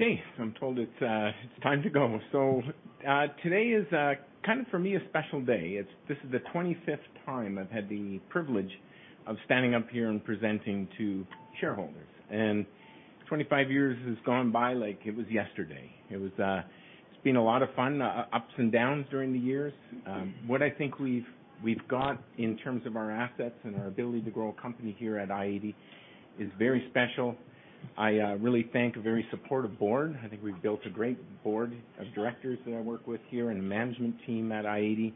Okay. I'm told it's time to go. Today is kind of for me, a special day. This is the 25th time I've had the privilege of standing up here and presenting to shareholders. 25 years has gone by like it was yesterday. It's been a lot of fun, ups and downs during the years. What I think we've got in terms of our assets and our ability to grow a company here at i-80 is very special. I really thank a very supportive board. I think we've built a great board of directors that I work with here and the management team at i-80.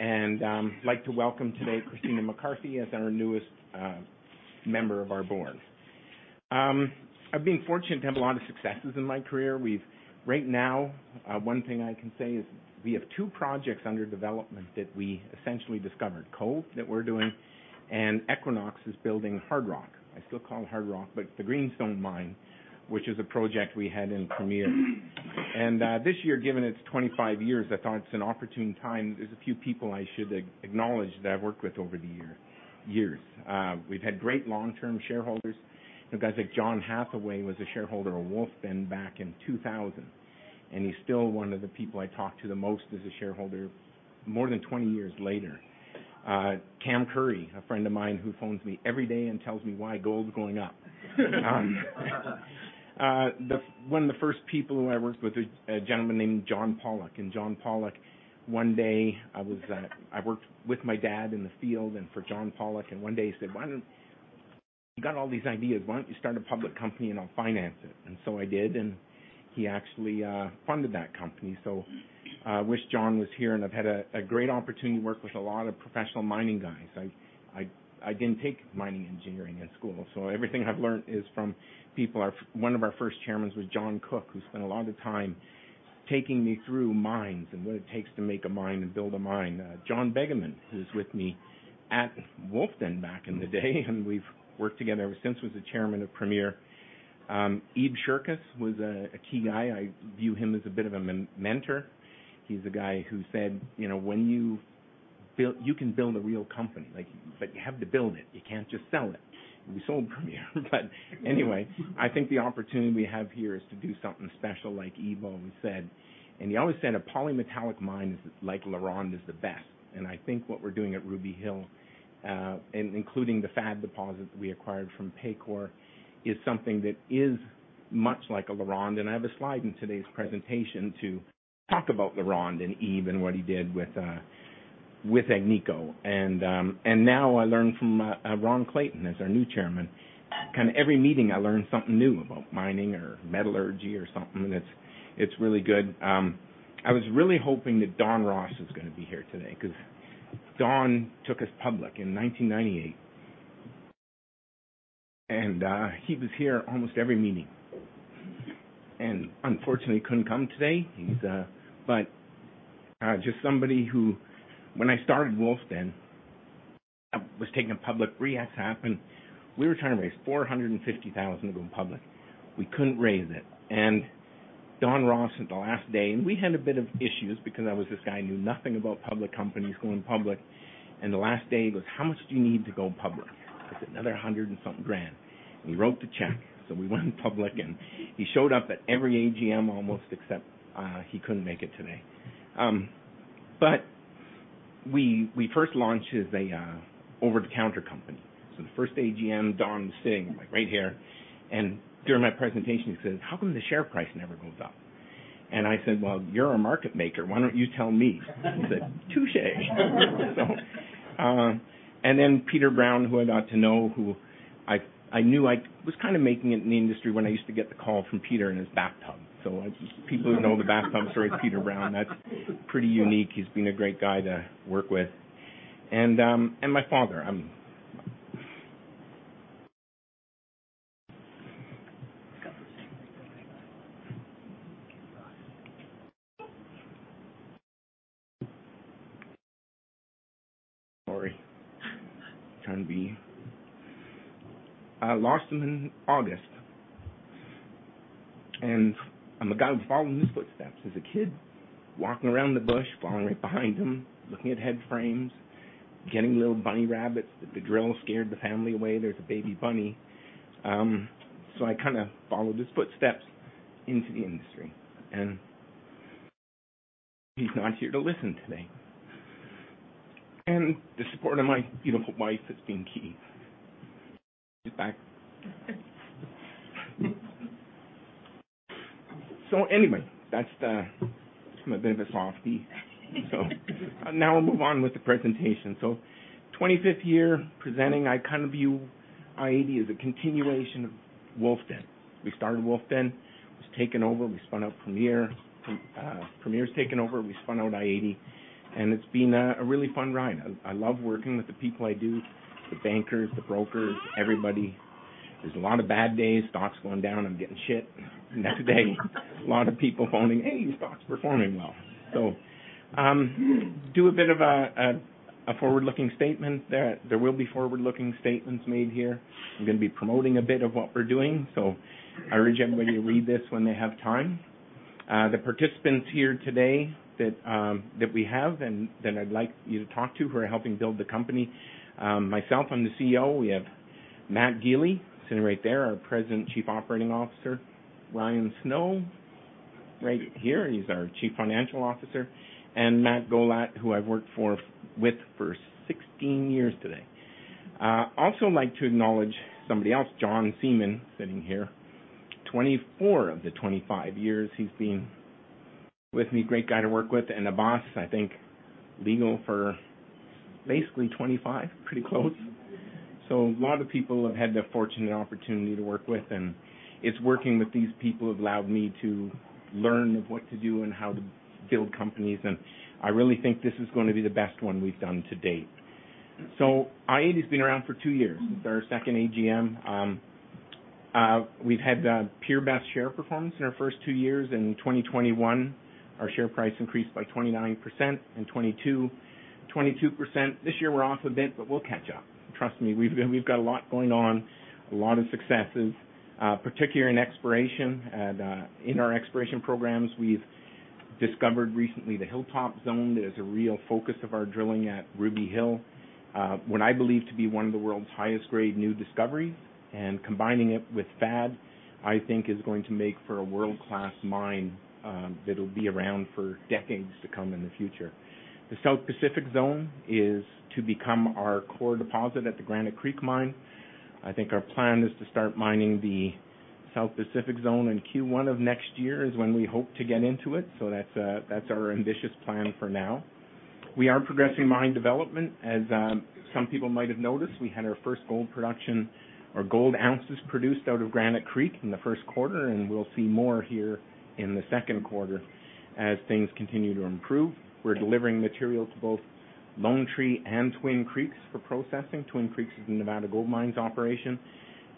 I'd like to welcome today Christina McCarthy as our newest member of our board. I've been fortunate to have a lot of successes in my career. We've Right now, one thing I can say is we have two projects under development that we essentially discovered, Cove, that we're doing, and Equinox is building Hardrock. I still call it Hardrock, but the Greenstone mine, which is a project we had in Premier. This year, given it's 25 years, I thought it's an opportune time. There's a few people I should acknowledge that I've worked with over the years. We've had great long-term shareholders. Everyone like John Hathaway was a shareholder of Wolfden back in 2000, and he's still one of the people I talk to the most as a shareholder more than 20 years later. Cam Currie, a friend of mine who phones me every day and tells me why gold's going up. One of the first people who I worked with is a gentleman named John Pollock. John Pollock, one day I worked with my dad in the field and for John Pollock, and one day he said, "You got all these ideas. Why don't you start a public company and I'll finance it?" I did, and he actually funded that company. Wish John was here, and I've had a great opportunity to work with a lot of professional mining guys. I didn't take mining engineering at school, everything I've learned is from people. One of our first chairmans was John Cook, who spent a lot of time taking me through mines and what it takes to make a mine and build a mine. John Begeman, who was with me at Wolfden back in the day, and we've worked together ever since, was the chairman of Premier. Ebe Scherkus was a key guy. I view him as a bit of a mentor. He's the guy who said, you know, "You can build a real company, like, but you have to build it. You can't just sell it." We sold Premier, but anyway, I think the opportunity we have here is to do something special like Ebe said. He always said a polymetallic mine is like LaRonde is the best. I think what we're doing at Ruby Hill, including the FAD deposit that we acquired from Paycore, is something that is much like a LaRonde. I have a slide in today's presentation to talk about LaRonde and Ib and what he did with Agnico. Now I learn from Ron Clayton as our new Chairman. Kind of every meeting I learn something new about mining or metallurgy or something, and it's really good. I was really hoping that Don Ross was gonna be here today, 'cause Don took us public in 1998. He was here almost every meeting and unfortunately couldn't come today. Just somebody who when I started Wolfden, I was taking it public. Bre-X happened. We were trying to raise $450,000 to go public. We couldn't raise it. Don Ross, at the last day. We had a bit of issues because I was this guy who knew nothing about public companies going public. The last day he goes, "How much do you need to go public?" I said, "Another a hundred and something grand." He wrote the check. We went public, and he showed up at every AGM almost, except he couldn't make it today. We first launched as a over-the-counter company. The first AGM, Don was sitting like right here, and during my presentation he says, "How come the share price never goes up?" I said, "Well, you're a market maker. Why don't you tell me?" He said, "Touche." And then Peter Brown, who I got to know, who I knew I was kinda making it in the industry when I used to get the call from Peter in his bathtub. People who know the bathtub story with Peter Brown, that's pretty unique. He's been a great guy to work with. And my father. Sorry. I lost him in August, and I'm a guy following his footsteps as a kid, walking around the bush, following right behind him, looking at head frames, getting little bunny rabbits that the drill scared the family away. There's a baby bunny. So I kind of followed his footsteps into the industry, and he's not here to listen today. The support of my beautiful wife has been key. She's back. Anyway, that's just my bit of a softie. Now we'll move on with the presentation. 25th year presenting, I kind of view i-80 as a continuation of Wolfden. We started Wolfden. It was taken over. We spun out Premier. Premier's taken over. We spun out i-80. It's been a really fun ride. I love working with the people I do, the bankers, the brokers, everybody. There's a lot of bad days, stock's going down, I'm getting shit. Next day, a lot of people phoning, "Hey, your stock's performing well." Do a bit of a forward-looking statement there. There will be forward-looking statements made here. I'm gonna be promoting a bit of what we're doing. I urge everybody to read this when they have time. The participants here today that we have and that I'd like you to talk to who are helping build the company. Myself, I'm the CEO. We have Matt Gili sitting right there, our President, Chief Operating Officer. Ryan Snow right here, he's our Chief Financial Officer, and Matthew Gollat, who I've worked with for 16 years today. Also like to acknowledge somebody else, John Seaman sitting here. 24 of the 25 years he's been with me. Great guy to work with and a boss, I think, legal for basically 25. Pretty close. A lot of people have had the fortunate opportunity to work with, and it's working with these people have allowed me to learn of what to do and how to build companies. I really think this is going to be the best one we've done to date. i-80's been around for two years. This is our second AGM. We've had the peer best share performance in our first two years. In 2021, our share price increased by 29% and 22%. This year we're off a bit. We'll catch up. Trust me, we've got a lot going on, a lot of successes, particularly in exploration and in our exploration programs. We've discovered recently the Hilltop Zone that is a real focus of our drilling at Ruby Hill. What I believe to be one of the world's highest grade new discoveries and combining it with FAD, I think is going to make for a world-class mine that'll be around for decades to come in the future. The South Pacific Zone is to become our core deposit at the Granite Creek Mine. I think our plan is to start mining the South Pacific Zone in Q1 of next year is when we hope to get into it. That's our ambitious plan for now. We are progressing mine development. As some people might have noticed, we had our first gold production or gold ounces produced out of Granite Creek in the Q1, and we'll see more here in the Q2 as things continue to improve. We're delivering material to both Lone Tree and Twin Creeks for processing. Twin Creeks is a Nevada Gold Mines operation.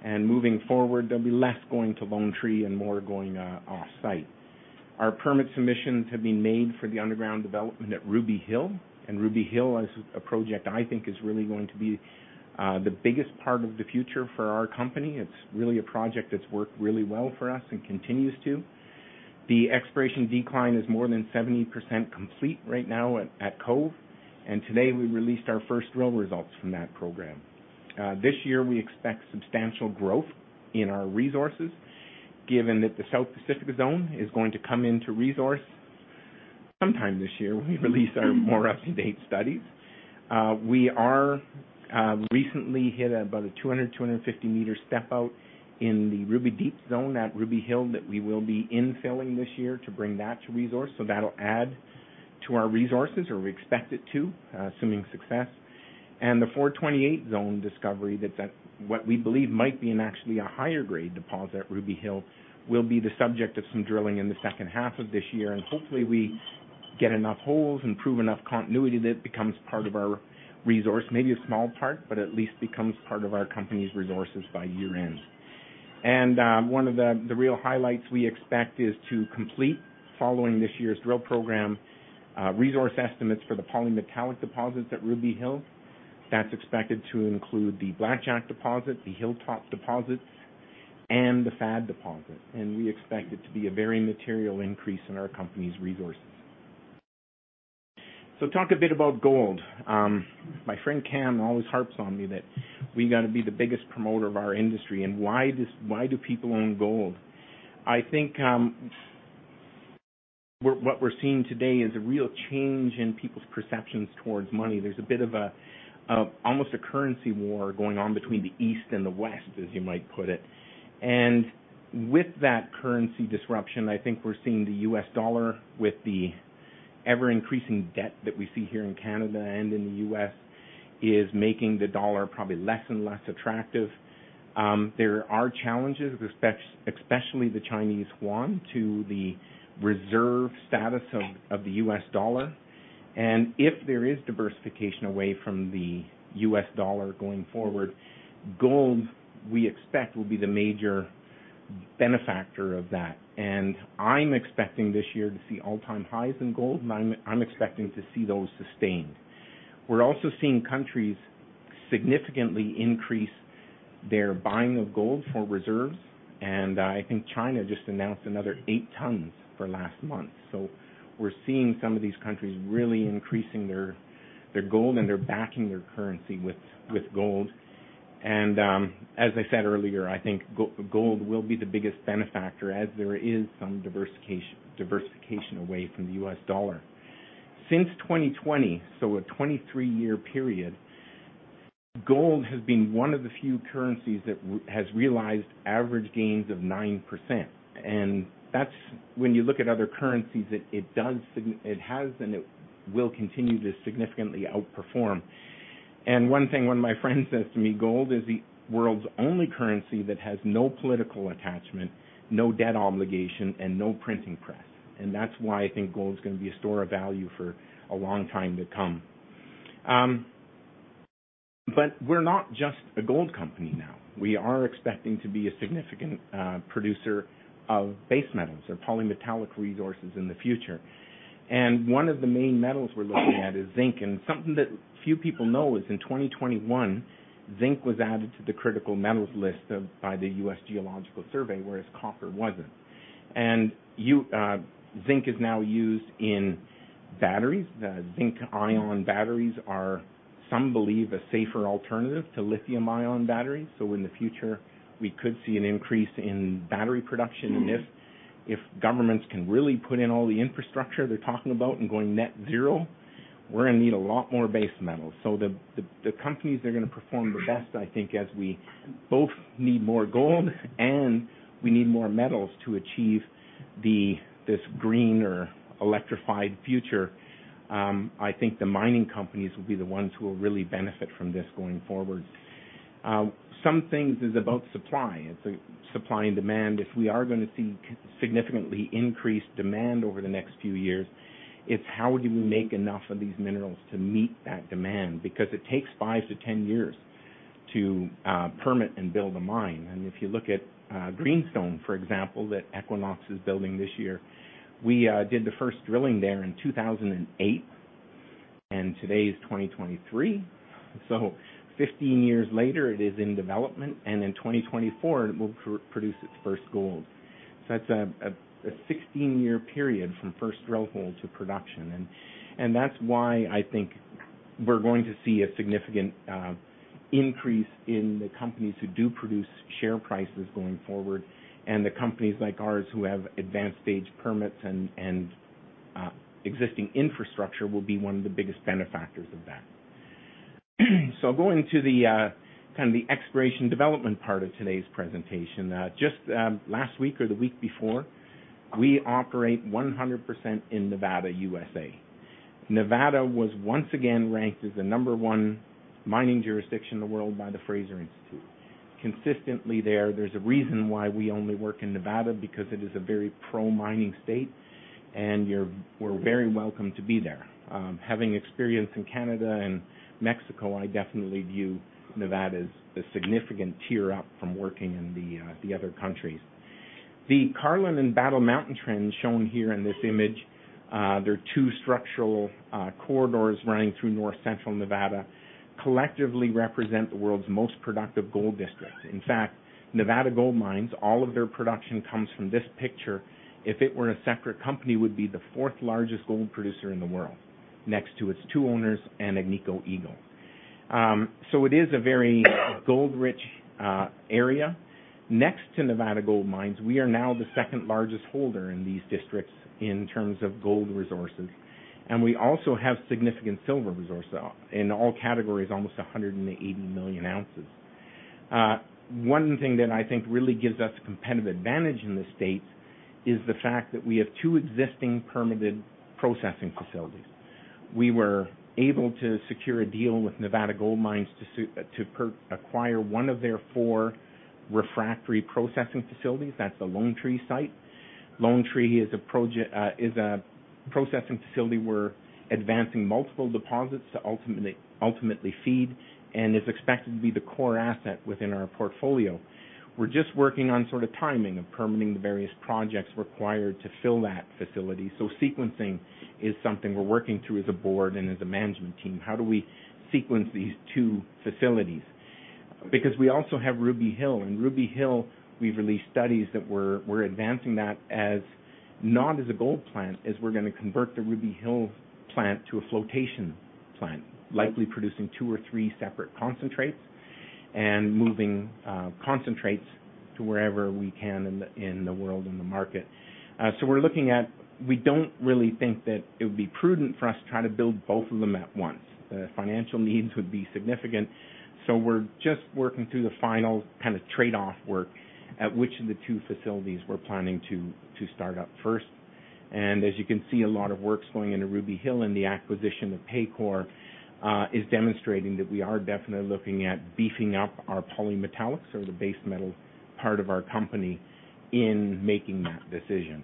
Moving forward, there'll be less going to Lone Tree and more going off-site. Our permit submissions have been made for the underground development at Ruby Hill. Ruby Hill as a project I think is really going to be the biggest part of the future for our company. It's really a project that's worked really well for us and continues to. The exploration decline is more than 70% complete right now at Cove, and today we released our first drill results from that program. This year we expect substantial growth in our resources given that the South Pacific Zone is going to come into resource sometime this year when we release our more up-to-date studies. We are recently hit about a 250 meters step out in the Ruby Deep Zone at Ruby Hill that we will be infilling this year to bring that to resource. That'll add to our resources, or we expect it to, assuming success. The 428 zone discovery that's at what we believe might be an actually a higher grade deposit at Ruby Hill will be the subject of some drilling in the second half of this year. Hopefully we get enough holes and prove enough continuity that it becomes part of our resource. Maybe a small part, but at least becomes part of our company's resources by year-end. One of the real highlights we expect is to complete following this year's drill program, resource estimates for the polymetallic deposits at Ruby Hill. That's expected to include the Blackjack deposit, the Hilltop deposit, and the FAD deposit. We expect it to be a very material increase in our company's resources. Talk a bit about gold. My friend Cam always harps on me that we gotta be the biggest promoter of our industry and why do people own gold? I think what we're seeing today is a real change in people's perceptions towards money. There's almost a currency war going on between the East and the West, as you might put it. With that currency disruption. We're seeing the U.S. dollar with the ever-increasing debt that we see here in Canada and in the U.S. is making the dollar probably less and less attractive. There are challenges, especially the Chinese yuan, to the reserve status of the US dollar. If there is diversification away from the US dollar going forward, gold, we expect, will be the major benefactor of that. I'm expecting this year to see all-time highs in gold, and I'm expecting to see those sustained. We're also seeing countries significantly increase their buying of gold for reserves, and I think China just announced another eight tons for last month. We're seeing some of these countries really increasing their gold, and they're backing their currency with gold. As I said earlier, I think gold will be the biggest benefactor as there is some diversification away from the U.S. dollar. Since 2020, so a 2023-year period, gold has been one of the few currencies that has realized average gains of 9%. That's when you look at other currencies, it has and it will continue to significantly outperform. One thing, one of my friends says to me, gold is the world's only currency that has no political attachment, no debt obligation, and no printing press. That's why I think gold is gonna be a store of value for a long time to come. We're not just a gold company now. We are expecting to be a significant producer of base metals or polymetallic resources in the future. One of the main metals we're looking at is zinc. Something that few people know is in 2021, zinc was added to the critical metals list of, by the U.S. Geological Survey, whereas copper wasn't. Zinc is now used in batteries. The zinc-ion batteries are, some believe, a safer alternative to lithium-ion batteries. In the future, we could see an increase in battery production. If governments can really put in all the infrastructure they're talking about in going net zero, we're gonna need a lot more base metals. The companies are gonna perform the best, I think, as we both need more gold and we need more metals to achieve this green or electrified future, I think the mining companies will be the ones who will really benefit from this going forward. Some things is about supply. It's supply and demand. If we are going to see significantly increased demand over the next few years, it's how do we make enough of these minerals to meet that demand? Because it takes 5 to 10 years to permit and build a mine. If you look at Greenstone, for example, that Equinox is building this year, we did the first drilling there in 2008, and today is 2023. 15 years later, it is in development, and in 2024 it will produce its first gold. That's a 16-year period from first drill hole to production. That's why I think we're going to see a significant increase in the companies who do produce share prices going forward. The companies like ours who have advanced stage permits and existing infrastructure will be one of the biggest benefactors of that. Going to the kind of the exploration development part of today's presentation. Last week or the week before, we operate 100% in Nevada, USA. Nevada was once again ranked as the number one mining jurisdiction in the world by the Fraser Institute. Consistently there's a reason why we only work in Nevada, because it is a very pro-mining state, and we're very welcome to be there. Having experience in Canada and Mexico, I definitely view Nevada as a significant tier up from working in the other countries. The Carlin and Battle Mountain Trends shown here in this image, they're two structural corridors running through North Central Nevada, collectively represent the world's most productive gold district. Nevada Gold Mines, all of their production comes from this picture. If it were a separate company, it would be the fourth largest gold producer in the world, next to its two owners and Agnico Eagle. It is a very gold rich area. Next to Nevada Gold Mines, we are now the second largest holder in these districts in terms of gold resources, and we also have significant silver resources. In all categories, almost 180 million ounces. One thing that I think really gives us competitive advantage in this state is the fact that we have two existing permitted processing facilities. We were able to secure a deal with Nevada Gold Mines to acquire one of their four refractory processing facilities. That's the Lone Tree site. Lone Tree is a processing facility. We're advancing multiple deposits to ultimately feed and is expected to be the core asset within our portfolio. We're just working on sort of timing of permitting the various projects required to fill that facility. Sequencing is something we're working through as a board and as a management team. How do we sequence these two facilities? We also have Ruby Hill, and Ruby Hill, we've released studies that we're advancing that as, not as a gold plant, as we're gonna convert the Ruby Hill plant to a flotation plant, likely producing two or three separate concentrates and moving concentrates to wherever we can in the world, in the market. We don't really think that it would be prudent for us to try to build both of them at once. The financial needs would be significant. We're just working through the final kind of trade-off work at which of the two facilities we're planning to start up first. As you can see, a lot of work's going into Ruby Hill, and the acquisition of Paycore is demonstrating that we are definitely looking at beefing up our polymetallics or the base metal part of our company in making that decision.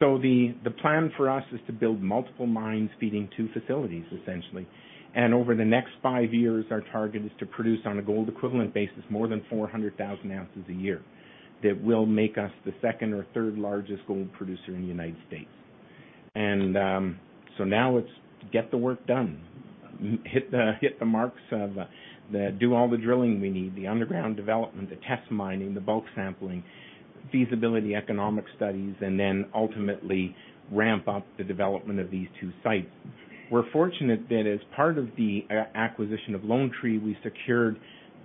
The plan for us is to build multiple mines feeding two facilities, essentially. Over the next 5 years, our target is to produce, on a gold equivalent basis, more than 400,000 ounces a year. That will make us the second or third largest gold producer in the United States. So now let's get the work done, Hit the marks of all the drilling we need, the underground development, the test mining, the bulk sampling, feasibility, economic studies, and then ultimately ramp up the development of these two sites. We're fortunate that as part of the acquisition of Lone Tree, we secured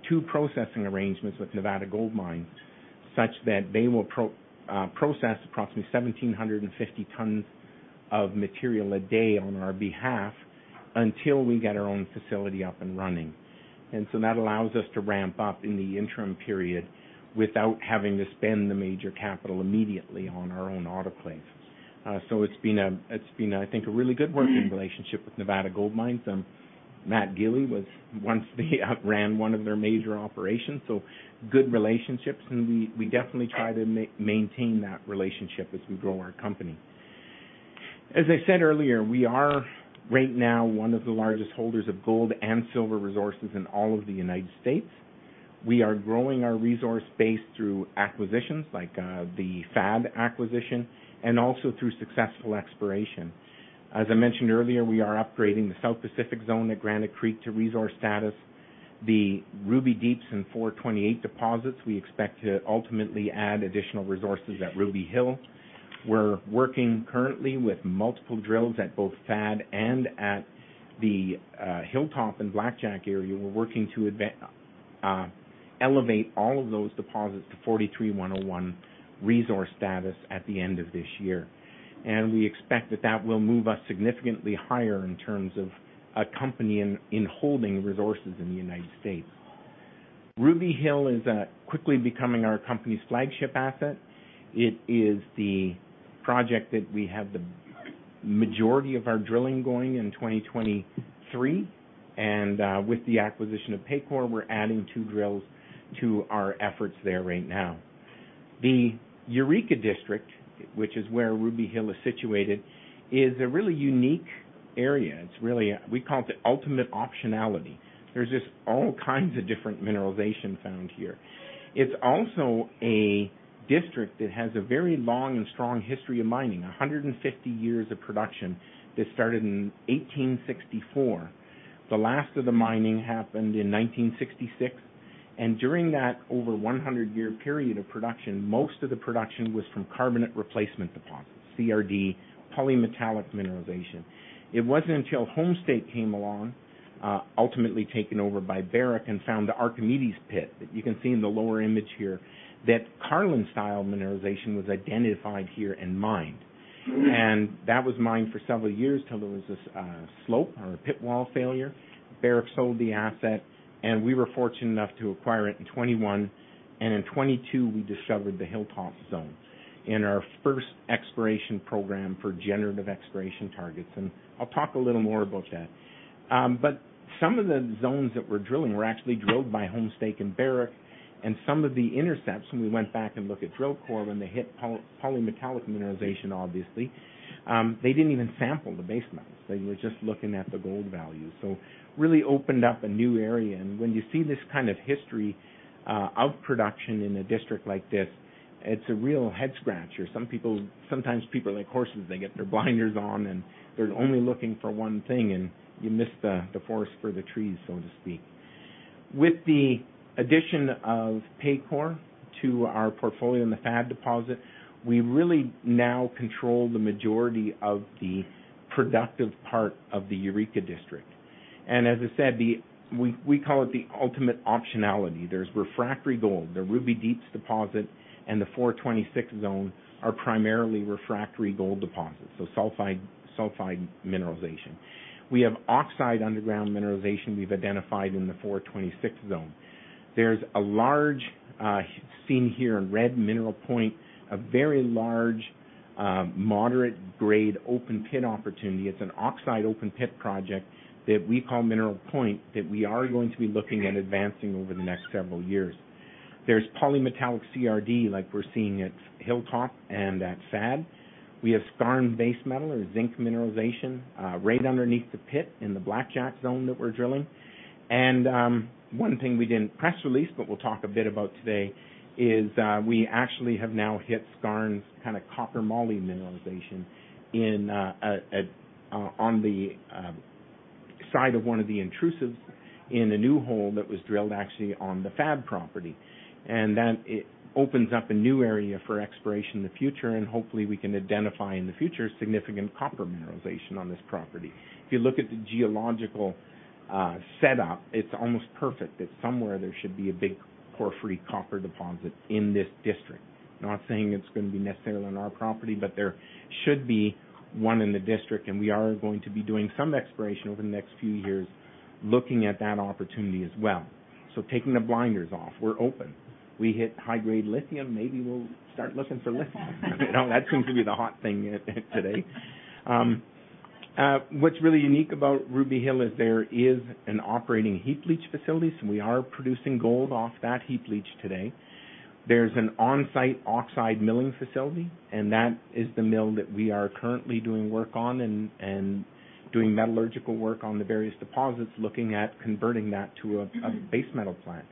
two processing arrangements with Nevada Gold Mines such that they will process approximately 1,750 tons of material a day on our behalf until we get our own facility up and running. That allows us to ramp up in the interim period without having to spend the major capital immediately on our own autoclaves. It's been, I think, a really good working relationship with Nevada Gold Mines. Matt Gili was once the ran one of their major operations, so good relationships, and we definitely try to maintain that relationship as we grow our company. As I said earlier, we are right now one of the largest holders of gold and silver resources in all of the United States. We are growing our resource base through acquisitions like the FAD acquisition and also through successful exploration. As I mentioned earlier, we are upgrading the South Pacific Zone at Granite Creek to resource status. The Ruby Deep in 428 deposits. We expect to ultimately add additional resources at Ruby Hill. We're working currently with multiple drills at both FAD and at the Hilltop and Blackjack area. We're working to elevate all of those deposits to 43-101 resource status at the end of this year. We expect that that will move us significantly higher in terms of a company in holding resources in the United States. Ruby Hill is quickly becoming our company's flagship asset. It is the project that we have the majority of our drilling going in 2023. With the acquisition of Paycore, we're adding 2 drills to our efforts there right now. The Eureka District, which is where Ruby Hill is situated, is a really unique area. It's really. We call it the ultimate optionality. There's just all kinds of different mineralization found here. It's also a district that has a very long and strong history of mining, 150 years of production that started in 1864. The last of the mining happened in 1966. During that over 100 year period of production, most of the production was from carbonate replacement deposits, CRD, polymetallic mineralization. It wasn't until Homestake came along, ultimately taken over by Barrick and found the Archimedes pit, that you can see in the lower image here, that Carlin-style mineralization was identified here and mined. That was mined for several years till there was this slope or a pit wall failure. Barrick sold the asset, and we were fortunate enough to acquire it in 2021. In 2022, we discovered the Hilltop Zone in our first exploration program for generative exploration targets. I'll talk a little more about that. But some of the zones that we're drilling were actually drilled by Homestake and Barrick. Some of the intercepts, when we went back and look at drill core, when they hit polymetallic mineralization, obviously, they didn't even sample the base metals. They were just looking at the gold value. Really opened up a new area. When you see this kind of history of production in a district like this, it's a real head-scratcher. Sometimes people are like horses. They get their blinders on, and they're only looking for one thing, and you miss the forest for the trees, so to speak. With the addition of Paycore to our portfolio in the FAD deposit, we really now control the majority of the productive part of the Eureka District. As I said, we call it the ultimate optionality. There's refractory gold. The Ruby Deeps deposit and the 426 zone are primarily refractory gold deposits, so sulfide mineralization. We have oxide underground mineralization we've identified in the 426 zone. There's a large, seen here in red, Mineral Point, a very large, moderate grade open pit opportunity. It's an oxide open pit project that we call Mineral Point that we are going to be looking at advancing over the next several years. There's polymetallic CRD like we're seeing at Hilltop and at FAD. We have skarn base metal or zinc mineralization right underneath the pit in the Blackjack Zone that we're drilling. One thing we did in press release but we'll talk a bit about today is, we actually have now hit skarn's kinda copper moly mineralization on the side of one of the intrusives in a new hole that was drilled actually on the FAD property. That opens up a new area for exploration in the future, and hopefully, we can identify in the future significant copper mineralization on this property. If you look at the geological setup, it's almost perfect that somewhere there should be a big porphyry copper deposit in this district. Not saying it's going to be necessarily on our property, but there should be one in the district, and we are going to be doing some exploration over the next few years looking at that opportunity as well. Taking the blinders off, we're open. We hit high-grade lithium, maybe we'll start looking for lithium. You know, that seems to be the hot thing today. What's really unique about Ruby Hill is there is an operating heap leach facility, so we are producing gold off that heap leach today. There's an on-site oxide milling facility, that is the mill that we are currently doing work on and doing metallurgical work on the various deposits, looking at converting that to a base metal plant.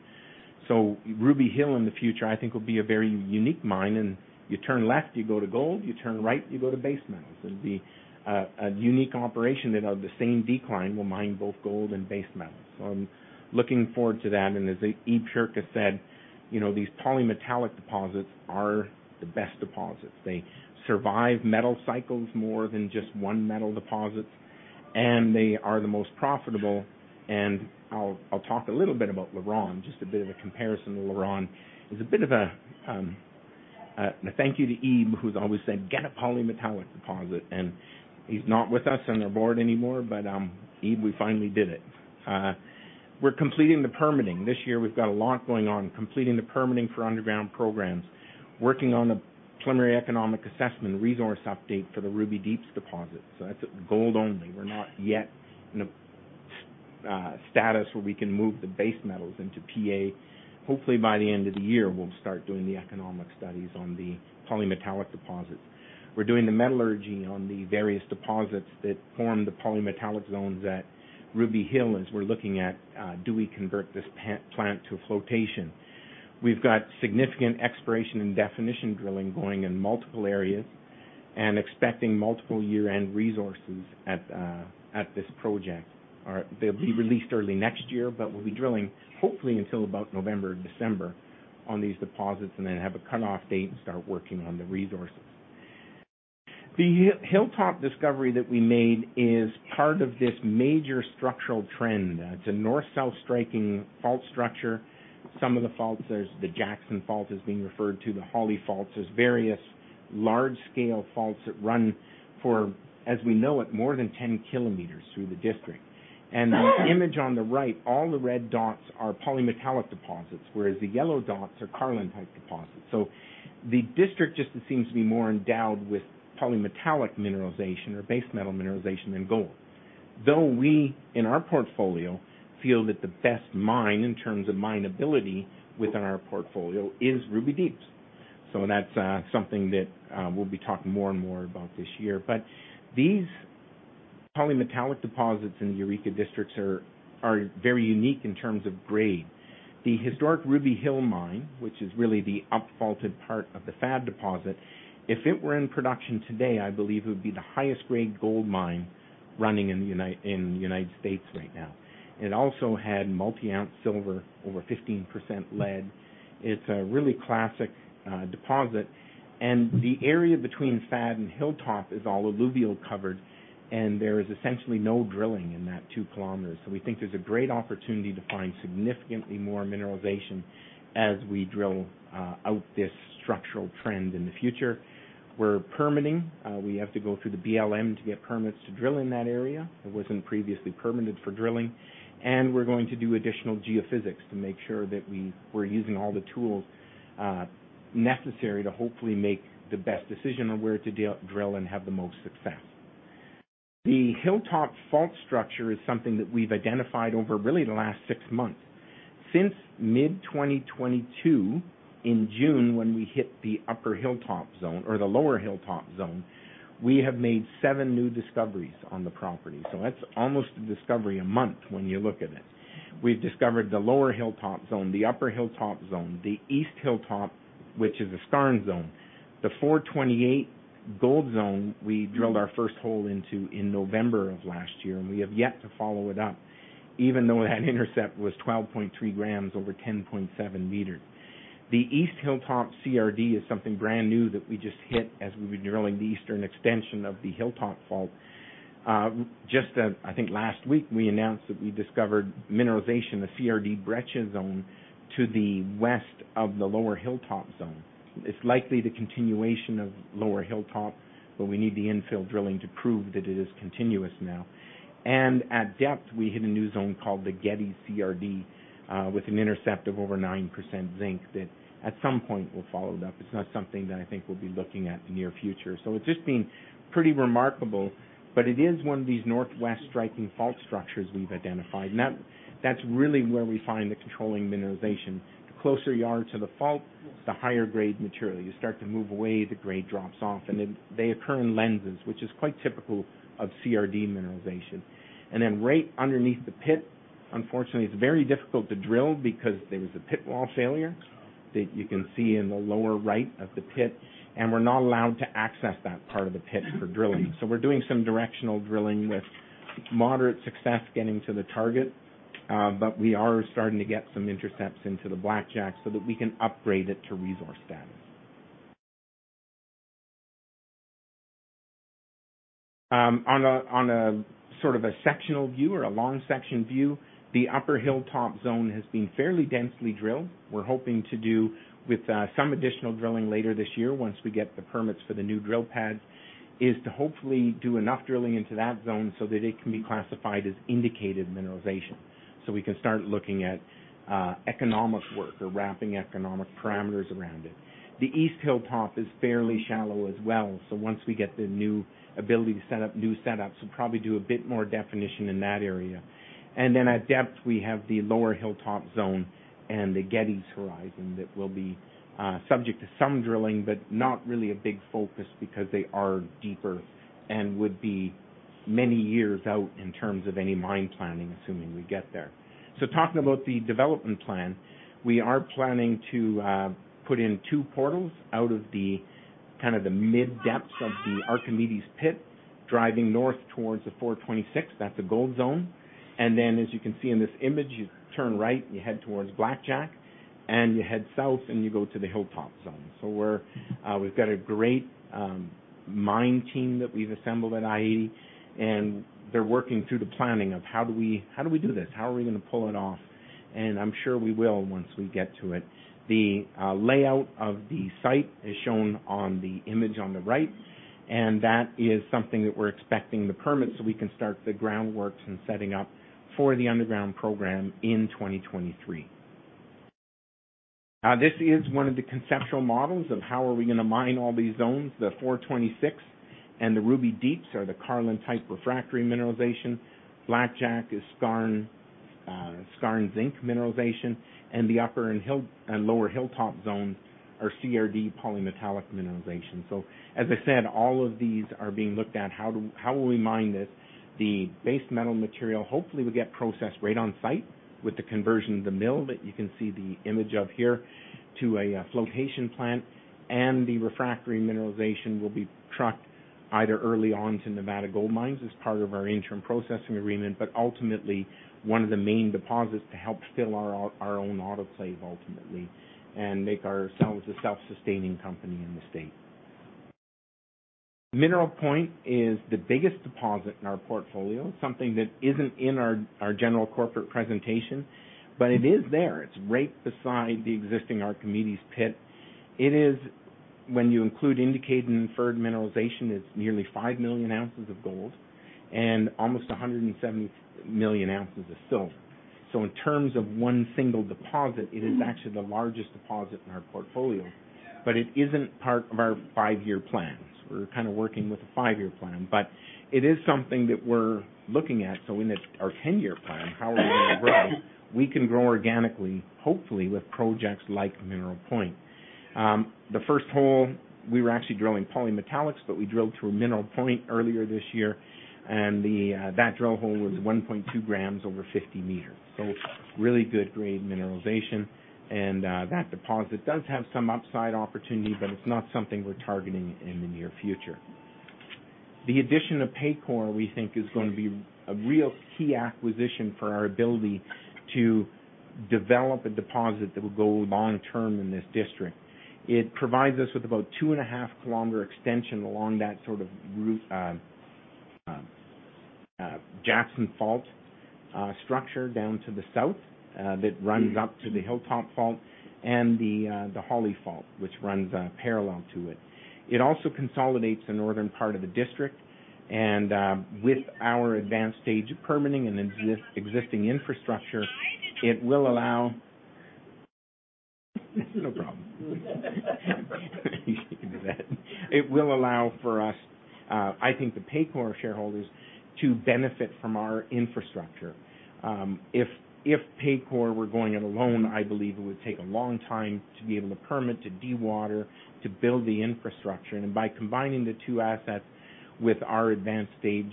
Ruby Hill in the future, I think, will be a very unique mine and you turn left, you go to gold, you turn right, you go to base metals. It'll be a unique operation that on the same decline will mine both gold and base metals. I'm looking forward to that. As Eeb Jurka said, you know, these polymetallic deposits are the best deposits. They survive metal cycles more than just one metal deposits, and they are the most profitable. I'll talk a little bit about LaRonde, just a bit of a comparison to LaRonde. It's a bit of a thank you to Eeb, who's always said, "Get a polymetallic deposit." He's not with us on our board anymore, but Eeb, we finally did it. We're completing the permitting. This year, we've got a lot going on, completing the permitting for underground programs, working on a preliminary economic assessment resource update for the Ruby Deep's deposit. That's gold only. We're not yet in a status where we can move the base metals into PEA. Hopefully, by the end of the year, we'll start doing the economic studies on the polymetallic deposits. We're doing the metallurgy on the various deposits that form the polymetallic zones at Ruby Hill, as we're looking at, do we convert this plant to flotation? We've got significant exploration and definition drilling going in multiple areas, and expecting multiple year-end resources at this project. Or they'll be released early next year, but we'll be drilling hopefully until about November, December on these deposits and then have a cutoff date and start working on the resources. The Hilltop discovery that we made is part of this major structural trend. It's a north-south striking fault structure. Some of the faults, there's the Jackson fault is being referred to, the Holly fault. There's various large-scale faults that run for, as we know it, more than 10 km through the district. The image on the right, all the red dots are polymetallic deposits, whereas the yellow dots are Carlin-type deposits. The district just seems to be more endowed with polymetallic mineralization or base metal mineralization than gold. We, in our portfolio, feel that the best mine in terms of mine ability within our portfolio is Ruby Deep's. That's something that we'll be talking more and more about this year. These polymetallic deposits in the Eureka districts are very unique in terms of grade. The historic Ruby Hill Mine, which is really the up-faulted part of the FAD deposit, if it were in production today, I believe it would be the highest grade gold mine running in the United States right now. It also had multi-ounce silver, over 15% lead. It's a really classic deposit. The area between FAD and Hilltop is all alluvial covered, and there is essentially no drilling in that two kilometers. We think there's a great opportunity to find significantly more mineralization as we drill out this structural trend in the future. We're permitting. We have to go through the BLM to get permits to drill in that area. It wasn't previously permitted for drilling. We're going to do additional geophysics to make sure that we're using all the tools necessary to hopefully make the best decision on where to drill and have the most success. The Hilltop fault structure is something that we've identified over really the last six months. Since mid-2022, in June, when we hit the upper Hilltop zone or the lower Hilltop zone, we have made seven new discoveries on the property. That's almost a discovery a month when you look at it. We've discovered the lower Hilltop zone, the upper Hilltop zone, the East Hilltop, which is a skarn zone. The 428 gold zone, we drilled our first hole into in November of last year. We have yet to follow it up, even though that intercept was 12.3 grams over 10.7 meters. The East Hilltop CRD is something brand new that we just hit as we were drilling the eastern extension of the Hilltop Fault. Just, I think last week, we announced that we discovered mineralization, the CRD breccia zone, to the west of the Lower Hilltop Zone. It's likely the continuation of Lower Hilltop. We need the infill drilling to prove that it is continuous now. At depth, we hit a new zone called the Getty CRD, with an intercept of over 9% zinc that at some point we'll follow it up. It's not something that I think we'll be looking at in the near future. It's just been pretty remarkable, but it is one of these northwest striking fault structures we've identified. That's really where we find the controlling mineralization. The closer you are to the fault, the higher grade material. You start to move away, the grade drops off. They occur in lenses, which is quite typical of CRD mineralization. Right underneath the pit, unfortunately, it's very difficult to drill because there was a pit wall failure that you can see in the lower right of the pit, and we're not allowed to access that part of the pit for drilling. We're doing some directional drilling with moderate success getting to the target. We are starting to get some intercepts into the Blackjack so that we can upgrade it to resource status. On a sort of a sectional view or a long section view, the upper Hilltop Zone has been fairly densely drilled. We're hoping to do with some additional drilling later this year once we get the permits for the new drill pad, is to hopefully do enough drilling into that zone so that it can be classified as indicated mineralization. We can start looking at economic work or wrapping economic parameters around it. The East Hilltop is fairly shallow as well. Once we get the new ability to set up new setups, we'll probably do a bit more definition in that area. At depth, we have the lower Hilltop zone and the Gedde's horizon that will be subject to some drilling, but not really a big focus because they are deeper and would be many years out in terms of any mine planning, assuming we get there. Talking about the development plan, we are planning to put in 2 portals out of the kind of the mid-depths of the Archimedes pit, driving north towards the 426. That's a gold zone. As you can see in this image, you turn right, you head towards Blackjack, and you head south, and you go to the Hilltop zone. We're, we've got a great mine team that we've assembled at i-80, and they're working through the planning of how do we, how do we do this? How are we gonna pull it off? I'm sure we will once we get to it. The layout of the site is shown on the image on the right, that is something that we're expecting the permit, we can start the groundworks and setting up for the underground program in 2023. This is one of the conceptual models of how are we gonna mine all these zones. The 426 and the Ruby Deeps are the Carlin-style refractory mineralization. Blackjack is skarn and zinc mineralization, the upper and lower hilltop zones are CRD polymetallic mineralization. As I said, all of these are being looked at. How will we mine this? The base metal material hopefully will get processed right on site with the conversion of the mill that you can see the image of here to a flotation plant. The refractory mineralization will be trucked either early on to Nevada Gold Mines as part of our interim processing agreement, but ultimately one of the main deposits to help fill our own autoclave ultimately and make ourselves a self-sustaining company in the state. Mineral Point is the biggest deposit in our portfolio, something that isn't in our general corporate presentation, but it is there. It's right beside the existing Archimedes pit. It is, when you include indicated and inferred mineralization, it's nearly five million ounces of gold and almost 170 million ounces of silver. In terms of one single deposit, it is actually the largest deposit in our portfolio, but it isn't part of our five-year plans. We're kind of working with a five-year plan, but it is something that we're looking at. In the. Our 10-year plan, how are we gonna grow? We can grow organically, hopefully, with projects like Mineral Point. The first hole, we were actually drilling polymetallics, but we drilled through a Mineral Point earlier this year, the drill hole was 1.2 grams over 50 meters. Really good grade mineralization. That deposit does have some upside opportunity, but it's not something we're targeting in the near future. The addition of Paycore, we think, is gonna be a real key acquisition for our ability to develop a deposit that will go long-term in this district. It provides us with about 2.5 kilometer extension along that sort of route, Jackson fault structure down to the south, that runs up to the Hilltop fault and the Hawley fault, which runs parallel to it. It also consolidates the northern part of the district, with our advanced stage of permitting and existing infrastructure. No problem. You can do that. It will allow for us, I think the Paycore shareholders to benefit from our infrastructure. If Paycore were going it alone, I believe it would take a long time to be able to permit, to de-water, to build the infrastructure. By combining the two assets with our advanced stage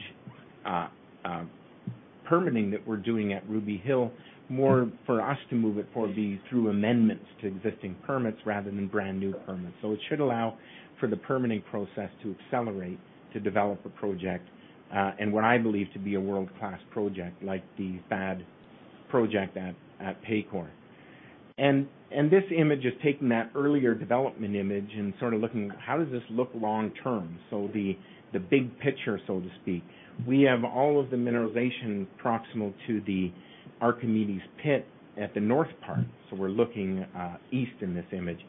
permitting that we're doing at Ruby Hill, more for us to move it forward be through amendments to existing permits rather than brand-new permits. It should allow for the permitting process to accelerate to develop a project, and what I believe to be a world-class project like the FAD project at Paycore. This image is taking that earlier development image and sort of looking at how does this look long term? The big picture, so to speak. We have all of the mineralization proximal to the Archimedes pit at the north part. We're looking east in this image.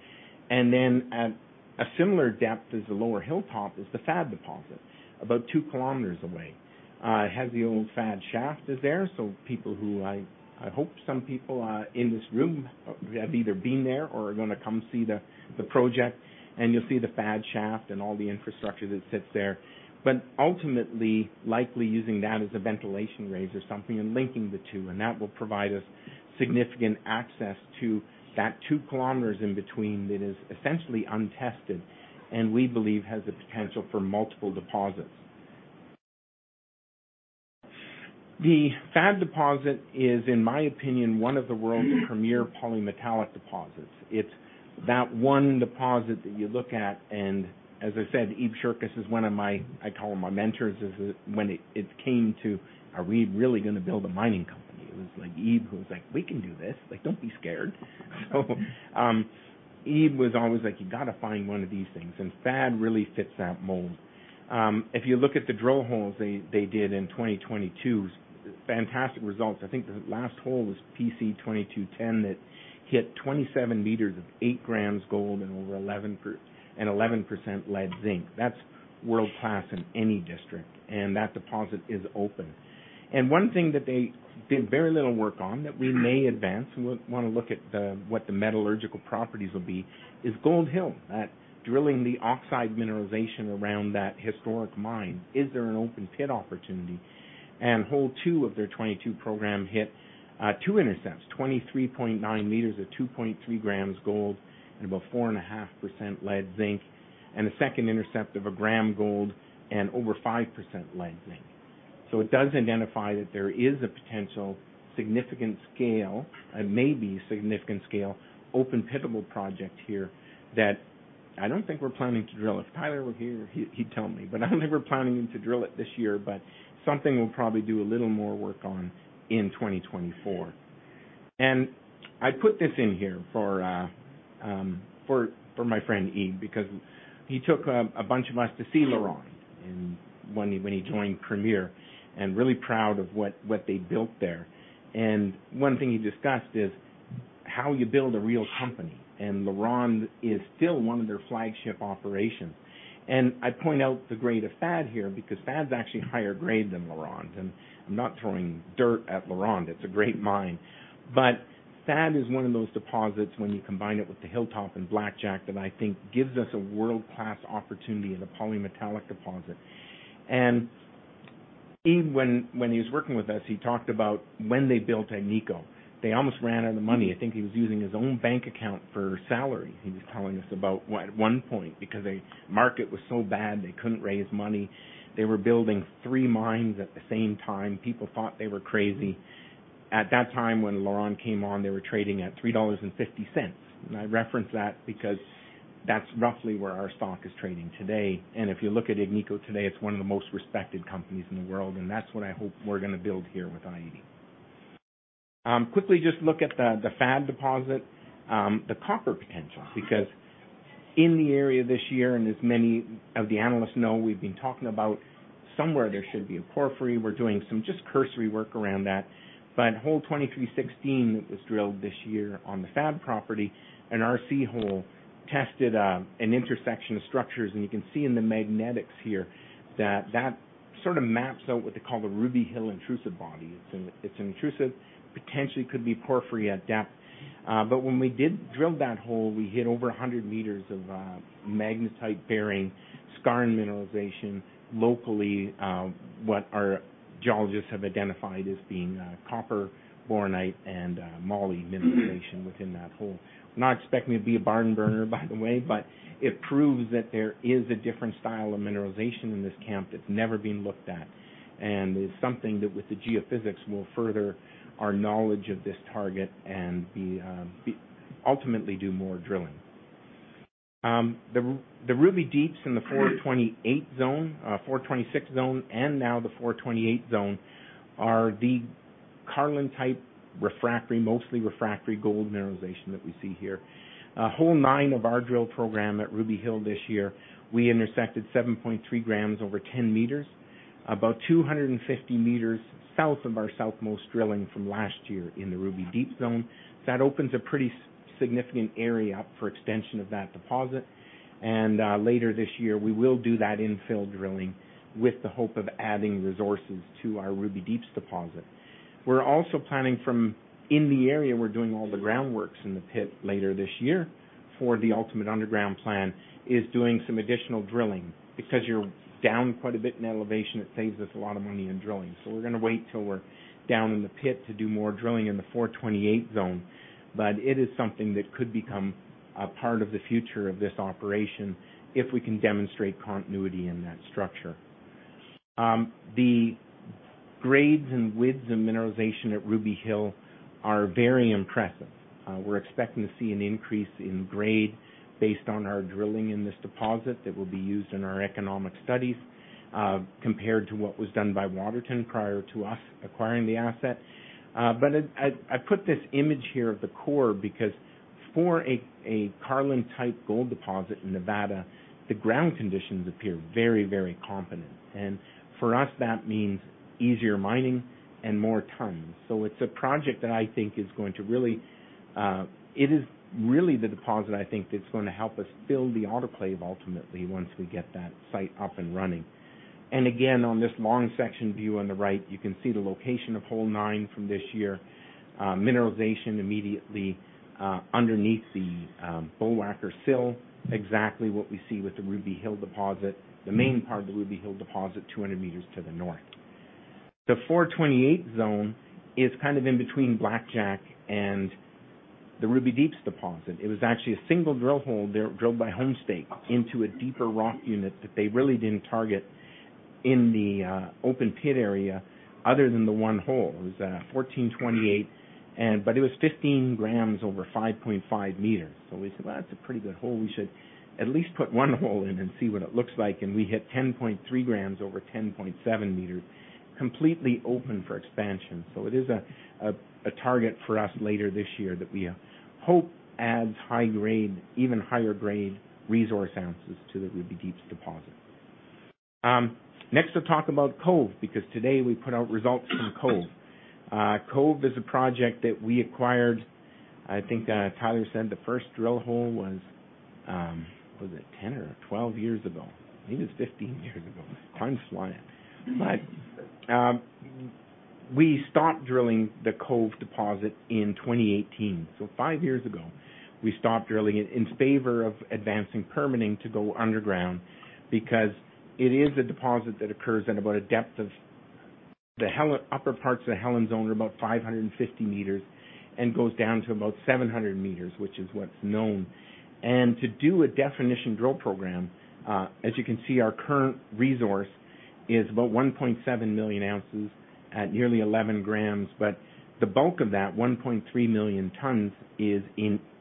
Then at a similar depth as the lower hilltop is the FAD deposit about two kilometers away. It has the old FAD shaft is there, so people who I hope some people in this room have either been there or are gonna come see the project, and you'll see the FAD shaft and all the infrastructure that sits there. Ultimately, likely using that as a ventilation raise or something and linking the two, and that will provide us significant access to that 2 kilometers in between that is essentially untested and we believe has the potential for multiple deposits. The FAD deposit is, in my opinion, one of the world's premier polymetallic deposits. It's that one deposit that you look at and, as I said, Ib Shurkis is one of my. I call him my mentors, is when it came to, are we really gonna build a mining company? It was like Ib who was like, "We can do this. Like, don't be scared." Ib was always like, "You gotta find one of these things," and FAD really fits that mold. If you look at the drill holes they did in 2022's, fantastic results. The last hole was PC2210 that hit 27 meters of 8 grams gold and over 11% lead zinc. That's world-class in any district, and that deposit is open. One thing that they did very little work on that we may advance, and we'll wanna look at what the metallurgical properties will be, is Gold Hill at drilling the oxide mineralization around that historic mine. Is there an open pit opportunity? Hole 2 of their 2022 program hit 2 intercepts, 23.9 meters at 2.3 grams gold and about 4.5% lead zinc, and a second intercept of one gram gold and over 5% lead zinc. It does identify that there is a potential significant scale and maybe significant scale open pitable project here that I don't think we're planning to drill. If Tyler were here, he'd tell me. I'm never planning to drill it this year. Something we'll probably do a little more work on in 2024. I put this in here for my friend Ib because he took a bunch of us to see LaRonde when he joined Premier. Really proud of what they built there. One thing he discussed is how you build a real company. LaRonde is still one of their flagship operations. I point out the grade of FAD here because FAD's actually higher grade than LaRonde. I'm not throwing dirt at LaRonde. It's a great mine. FAD is one of those deposits when you combine it with the Hilltop and Blackjack that I think gives us a world-class opportunity in a polymetallic deposit. Even when he was working with us, he talked about when they built Agnico, they almost ran out of money. I think he was using his own bank account for salary, he was telling us about one point, because the market was so bad they couldn't raise money. They were building 3 mines at the same time. People thought they were crazy. At that time, when LaRonde came on, they were trading at $3.50. I reference that because that's roughly where our stock is trading today. If you look at Agnico today, it's one of the most respected companies in the world, and that's what I hope we're gonna build here with IE. Quickly, just look at the FAD deposit, the copper potential. In the area this year, and as many of the analysts know, we've been talking about somewhere there should be a porphyry. We're doing some just cursory work around that. Hole 2316 that was drilled this year on the FAD property, an RC hole tested an intersection of structures, and you can see in the magnetics here that that sort of maps out what they call the Ruby Hill intrusive body. It's an intrusive, potentially could be porphyry at depth. When we did drill that hole, we hit over 100 meters of magnetite-bearing skarn mineralization locally, what our geologists have identified as being copper, bornite, and moly mineralization within that hole. Not expecting it to be a barn burner, by the way, but it proves that there is a different style of mineralization in this camp that's never been looked at, and is something that with the geophysics will further our knowledge of this target and be ultimately do more drilling. The Ruby Deeps in the 428 zone, 426 zone, and now the 428 zone are the Carlin-style refractory, mostly refractory gold mineralization that we see here. Hole nine of our drill program at Ruby Hill this year, we intersected 7.3 grams over 10 meters, about 250 meters south of our southernmost drilling from last year in the Ruby Deep zone. That opens a pretty significant area up for extension of that deposit. Later this year we will do that infill drilling with the hope of adding resources to our Ruby Deeps deposit. We're also planning from in the area we're doing all the groundworks in the pit later this year for the ultimate underground plan, is doing some additional drilling. You're down quite a bit in elevation, it saves us a lot of money in drilling. We're gonna wait till we're down in the pit to do more drilling in the 428 zone. It is something that could become a part of the future of this operation if we can demonstrate continuity in that structure. The grades and widths and mineralization at Ruby Hill are very impressive. We're expecting to see an increase in grade based on our drilling in this deposit that will be used in our economic studies, compared to what was done by Waterton prior to us acquiring the asset. I put this image here of the core because for a Carlin-style gold deposit in Nevada, the ground conditions appear very, very competent, and for us that means easier mining and more tons. It's a project that I think is going to really, it is really the deposit, I think, that's gonna help us build the autoclave ultimately once we get that site up and running. Again, on this long section view on the right, you can see the location of hole nine from this year. Mineralization immediately underneath the Bullwacker Sill, exactly what we see with the Ruby Hill deposit. The main part of the Ruby Hill deposit, 200 meters to the north. The 428 zone is kind of in between Blackjack and the Ruby Deeps deposit. It was actually a single drill hole there drilled by Homestake into a deeper rock unit that they really didn't target in the open pit area other than the 1 hole. It was 1428 and, but it was 15 grams over 5.5 meters. We said, "Well, that's a pretty good hole. We should atleast put one hole in and see what it looks like." We hit 10.3 grams over 10.7 meters, completely open for expansion. It is a target for us later this year that we hope adds high grade, even higher grade resource ounces to the Ruby Deeps deposit. Next I'll talk about Cove, because today we put out results from Cove. Cove is a project that we acquired, I think Tyler said the first drill hole was it 10 or 12 years ago? Maybe it was 15 years ago. Time's flying. We stopped drilling the Cove deposit in 2018. Five years ago, we stopped drilling it in favor of advancing permitting to go underground because it is a deposit that occurs at about a depth of the upper parts of the Helen Zone are about 550 meters and goes down to about 700 meters, which is what's known. To do a definition drill program, as you can see, our current resource is about 1.7 million ounces at nearly 11 grams. The bulk of that, 1.3 million tons is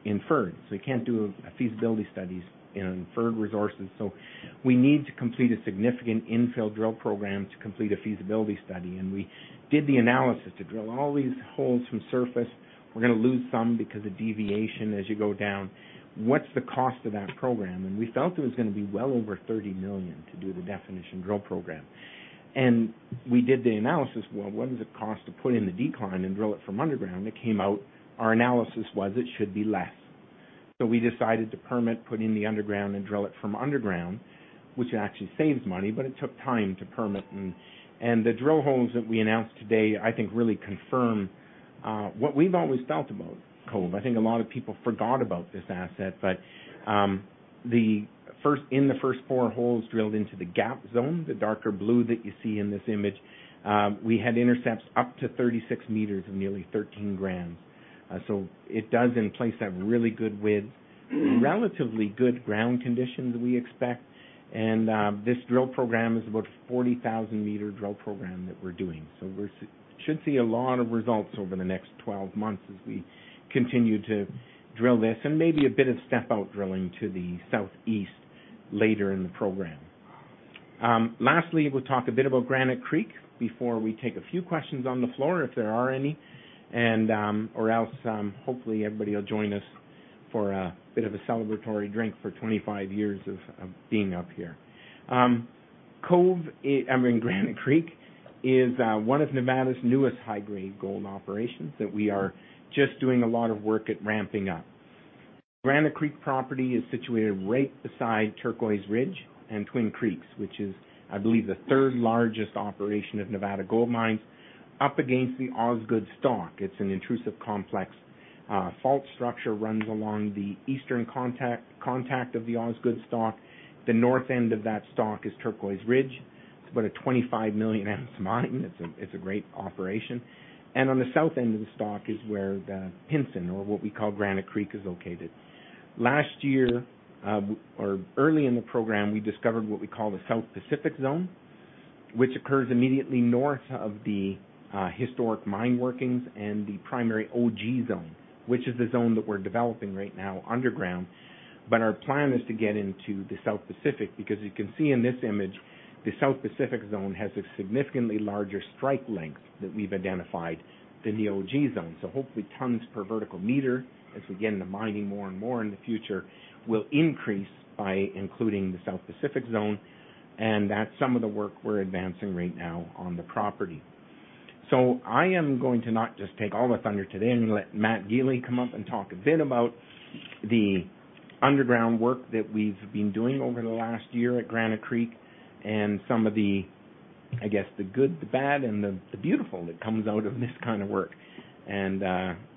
inferred. You can't do feasibility studies in inferred resources. We need to complete a significant infill drill program to complete a feasibility study. We did the analysis to drill all these holes from surface. We're gonna lose some because of deviation as you go down. What's the cost of that program? We felt it was gonna be well over $30 million to do the definition drill program. We did the analysis, well, what does it cost to put in the decline and drill it from underground? It came out, our analysis was it should be less. We decided to permit, put in the underground, and drill it from underground, which actually saves money, but it took time to permit. The drill holes that we announced today, I think really confirm what we've always felt about Cove. I think a lot of people forgot about this asset, in the first 4 holes drilled into the gap zone, the darker blue that you see in this image, we had intercepts up to 36 meters of nearly 13 grams. It does in place have really good widths, relatively good ground conditions, we expect, and this drill program is about a 40,000 meter drill program that we're doing. We should see a lot of results over the next 12 months as we continue to drill this, and maybe a bit of step out drilling to the southeast later in the program. Lastly, we'll talk a bit about Granite Creek before we take a few questions on the floor, if there are any. Or else, hopefully everybody will join us for a bit of a celebratory drink for 25 years of being up here. Cove, Granite Creek is one of Nevada's newest high-grade gold operations that we are just doing a lot of work at ramping up. Granite Creek property is situated right beside Turquoise Ridge and Twin Creeks, which is, I believe, the third largest operation of Nevada Gold Mines, up against the Osgood Stock. It's an intrusive, complex fault structure, runs along the eastern contact of the Osgood Stock. The north end of that stock is Turquoise Ridge. It's about a 25 million ounce mine. It's a great operation. On the south end of the stock is where the Pinson, or what we call Granite Creek, is located. Last year, or early in the program, we discovered what we call the South Pacific Zone, which occurs immediately north of the historic mine workings and the primary OG Zone, which is the zone that we're developing right now underground. Our plan is to get into the South Pacific, because you can see in this image, the South Pacific Zone has a significantly larger strike length that we've identified than the OG Zone. Hopefully tons per vertical meter, as we get into mining more and more in the future, will increase by including the South Pacific Zone, and that's some of the work we're advancing right now on the property. I am going to not just take all the thunder today. I'm going to let Matt Gili come up and talk a bit about the underground work that we've been doing over the last year at Granite Creek and some of the, I guess, the good, the bad, and the beautiful that comes out of this kind of work.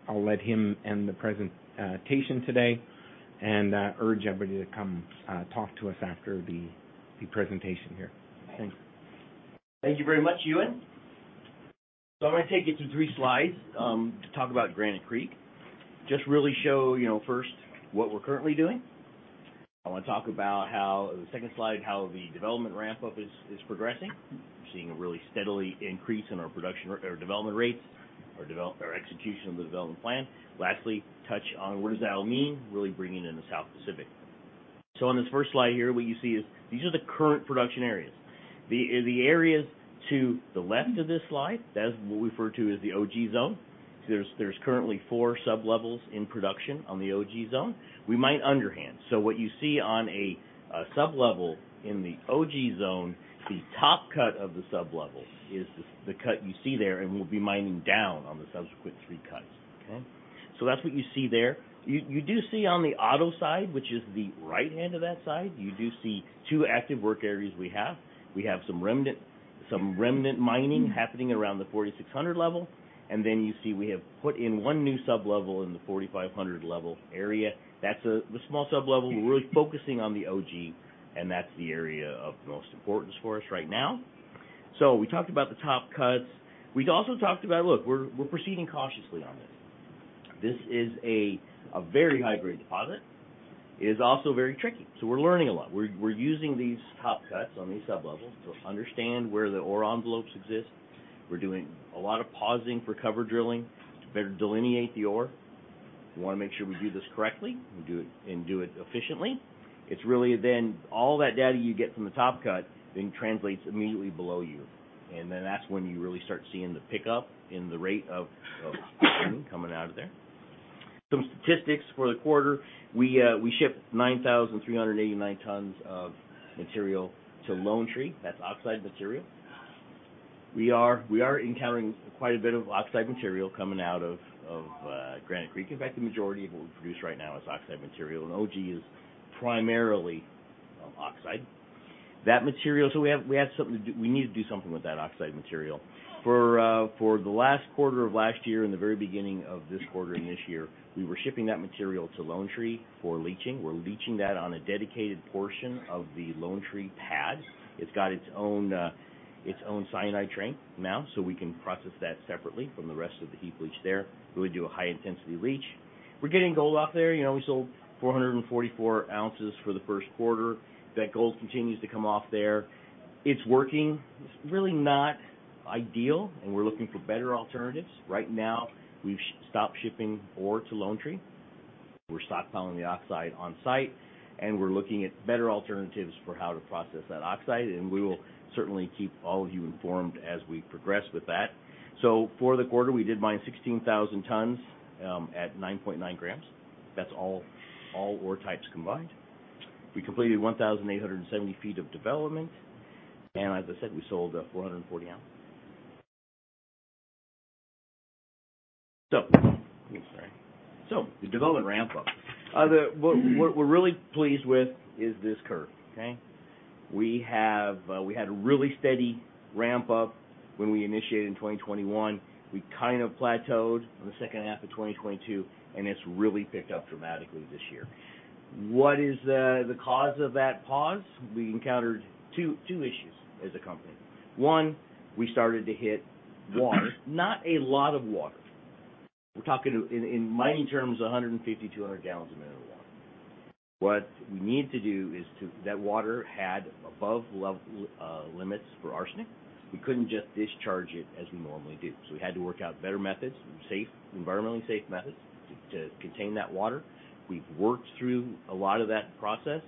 I'll let him end the presentation today and urge everybody to come talk to us after the presentation here. Thanks. Thank you very much, Ewan Downie. I'm gonna take you through three slides to talk about Granite Creek. Just really show, you know, first, what we're currently doing. I wanna talk about how, the second slide, how the development ramp-up is progressing. We're seeing a really steadily increase in our production or development rates, or execution of the development plan. Lastly, touch on what does that all mean, really bringing in the South Pacific. On this first slide here, what you see is these are the current production areas. The areas to the left of this slide, that's what we refer to as the OG Zone. There's currently four sub-levels in production on the OG Zone. We mine underhand. What you see on a sub-level in the OG zone, the top cut of the sub-level is the cut you see there, and we'll be mining down on the subsequent three cuts. Okay? That's what you see there. You do see on the Otto side, which is the right hand of that side, you do see two active work areas we have. We have some remnant mining happening around the 4,600 level. Then you see we have put in one new sub-level in the 4,500 level area. That's the small sub-level. We're really focusing on the OG, and that's the area of most importance for us right now. We talked about the top cuts. We'd also talked about, look, we're proceeding cautiously on this. This is a very high-grade deposit. It is also very tricky. We're learning a lot. We're using these top cuts on these sub-levels to understand where the ore envelopes exist. We're doing a lot of pausing for cover drilling to better delineate the ore. We want to make sure we do this correctly, and do it efficiently. It's really then all that data you get from the top cut then translates immediately below you. That's when you really start seeing the pickup in the rate of mining coming out of there. Some statistics for the quarter. We shipped 9,389 tons of material to Lone Tree. That's oxide material. We are encountering quite a bit of oxide material coming out of Granite Creek. In fact, the majority of what we produce right now is oxide material. OG is primarily oxide. We need to do something with that oxide material. For the last quarter of last year and the very beginning of this quarter and this year, we were shipping that material to Lone Tree for leaching. We're leaching that on a dedicated portion of the Lone Tree pad. It's got its own cyanide train now. We can process that separately from the rest of the heap leach there. Really do a high-intensity leach. We're getting gold off there. You know, we sold 444 ounces for the Q1. That gold continues to come off there. It's working. It's really not ideal. We're looking for better alternatives. Right now, we've stopped shipping ore to Lone Tree. We're stockpiling the oxide on site, and we're looking at better alternatives for how to process that oxide, and we will certainly keep all of you informed as we progress with that. For the quarter, we did mine 16,000 tons at 9.9 grams. That's all ore types combined. We completed 1,870 feet of development. As I said, we sold 440 ounces. I'm sorry. The development ramp up. What we're really pleased with is this curve, okay? We have, we had a really steady ramp up when we initiated in 2021. We kind of plateaued on the second half of 2022, and it's really picked up dramatically this year. What is the cause of that pause? We encountered two issues as a company. One, we started to hit water. Not a lot of water. We're talking, in mining terms, 150, 200 gallons a minute of water. What we need to do. That water had above level limits for arsenic. We couldn't just discharge it as we normally do, so we had to work out better methods, safe, environmentally safe methods to contain that water. We've worked through a lot of that process.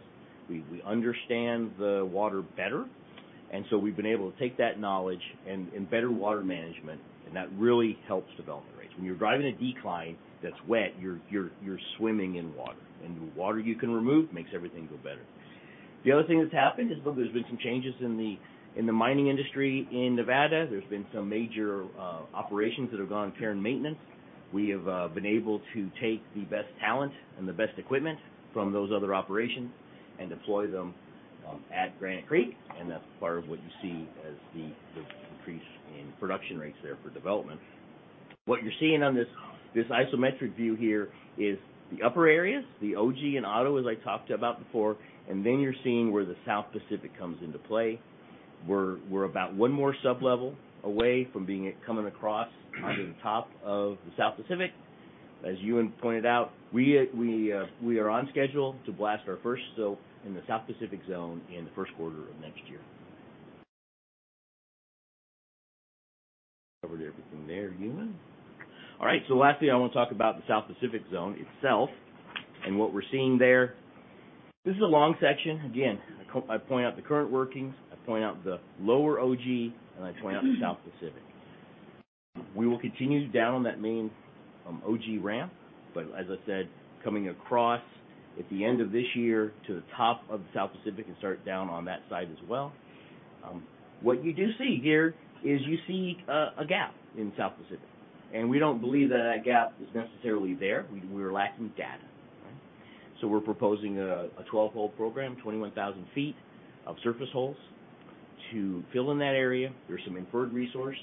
We understand the water better, and so we've been able to take that knowledge and better water management, and that really helps development rates. When you're driving a decline that's wet, you're swimming in water, and the water you can remove makes everything go better. The other thing that's happened is there's been some changes in the, in the mining industry in Nevada. There's been some major operations that have gone care and maintenance. We have been able to take the best talent and the best equipment from those other operations and deploy them at Granite Creek, and that's part of what you see as the increase in production rates there for development. What you're seeing on this isometric view here is the upper areas, the OG and Otto, as I talked about before, and then you're seeing where the South Pacific comes into play. We're about one more sublevel away from being coming across onto the top of the South Pacific. As Ewan pointed out, we are on schedule to blast our first stope in the South Pacific zone in the Q1 of next year. Covered everything there, Ewan. Lastly, I want to talk about the South Pacific zone itself and what we're seeing there. This is a long section. Again, I point out the current workings, I point out the lower OG, and I point out the South Pacific. We will continue down that main OG ramp, as I said, coming across at the end of this year to the top of the South Pacific and start down on that side as well. What you do see here is you see a gap in South Pacific, we don't believe that that gap is necessarily there. We're lacking data, right? We're proposing a 12-hole program, 21,000 feet of surface holes to fill in that area. There's some inferred resource.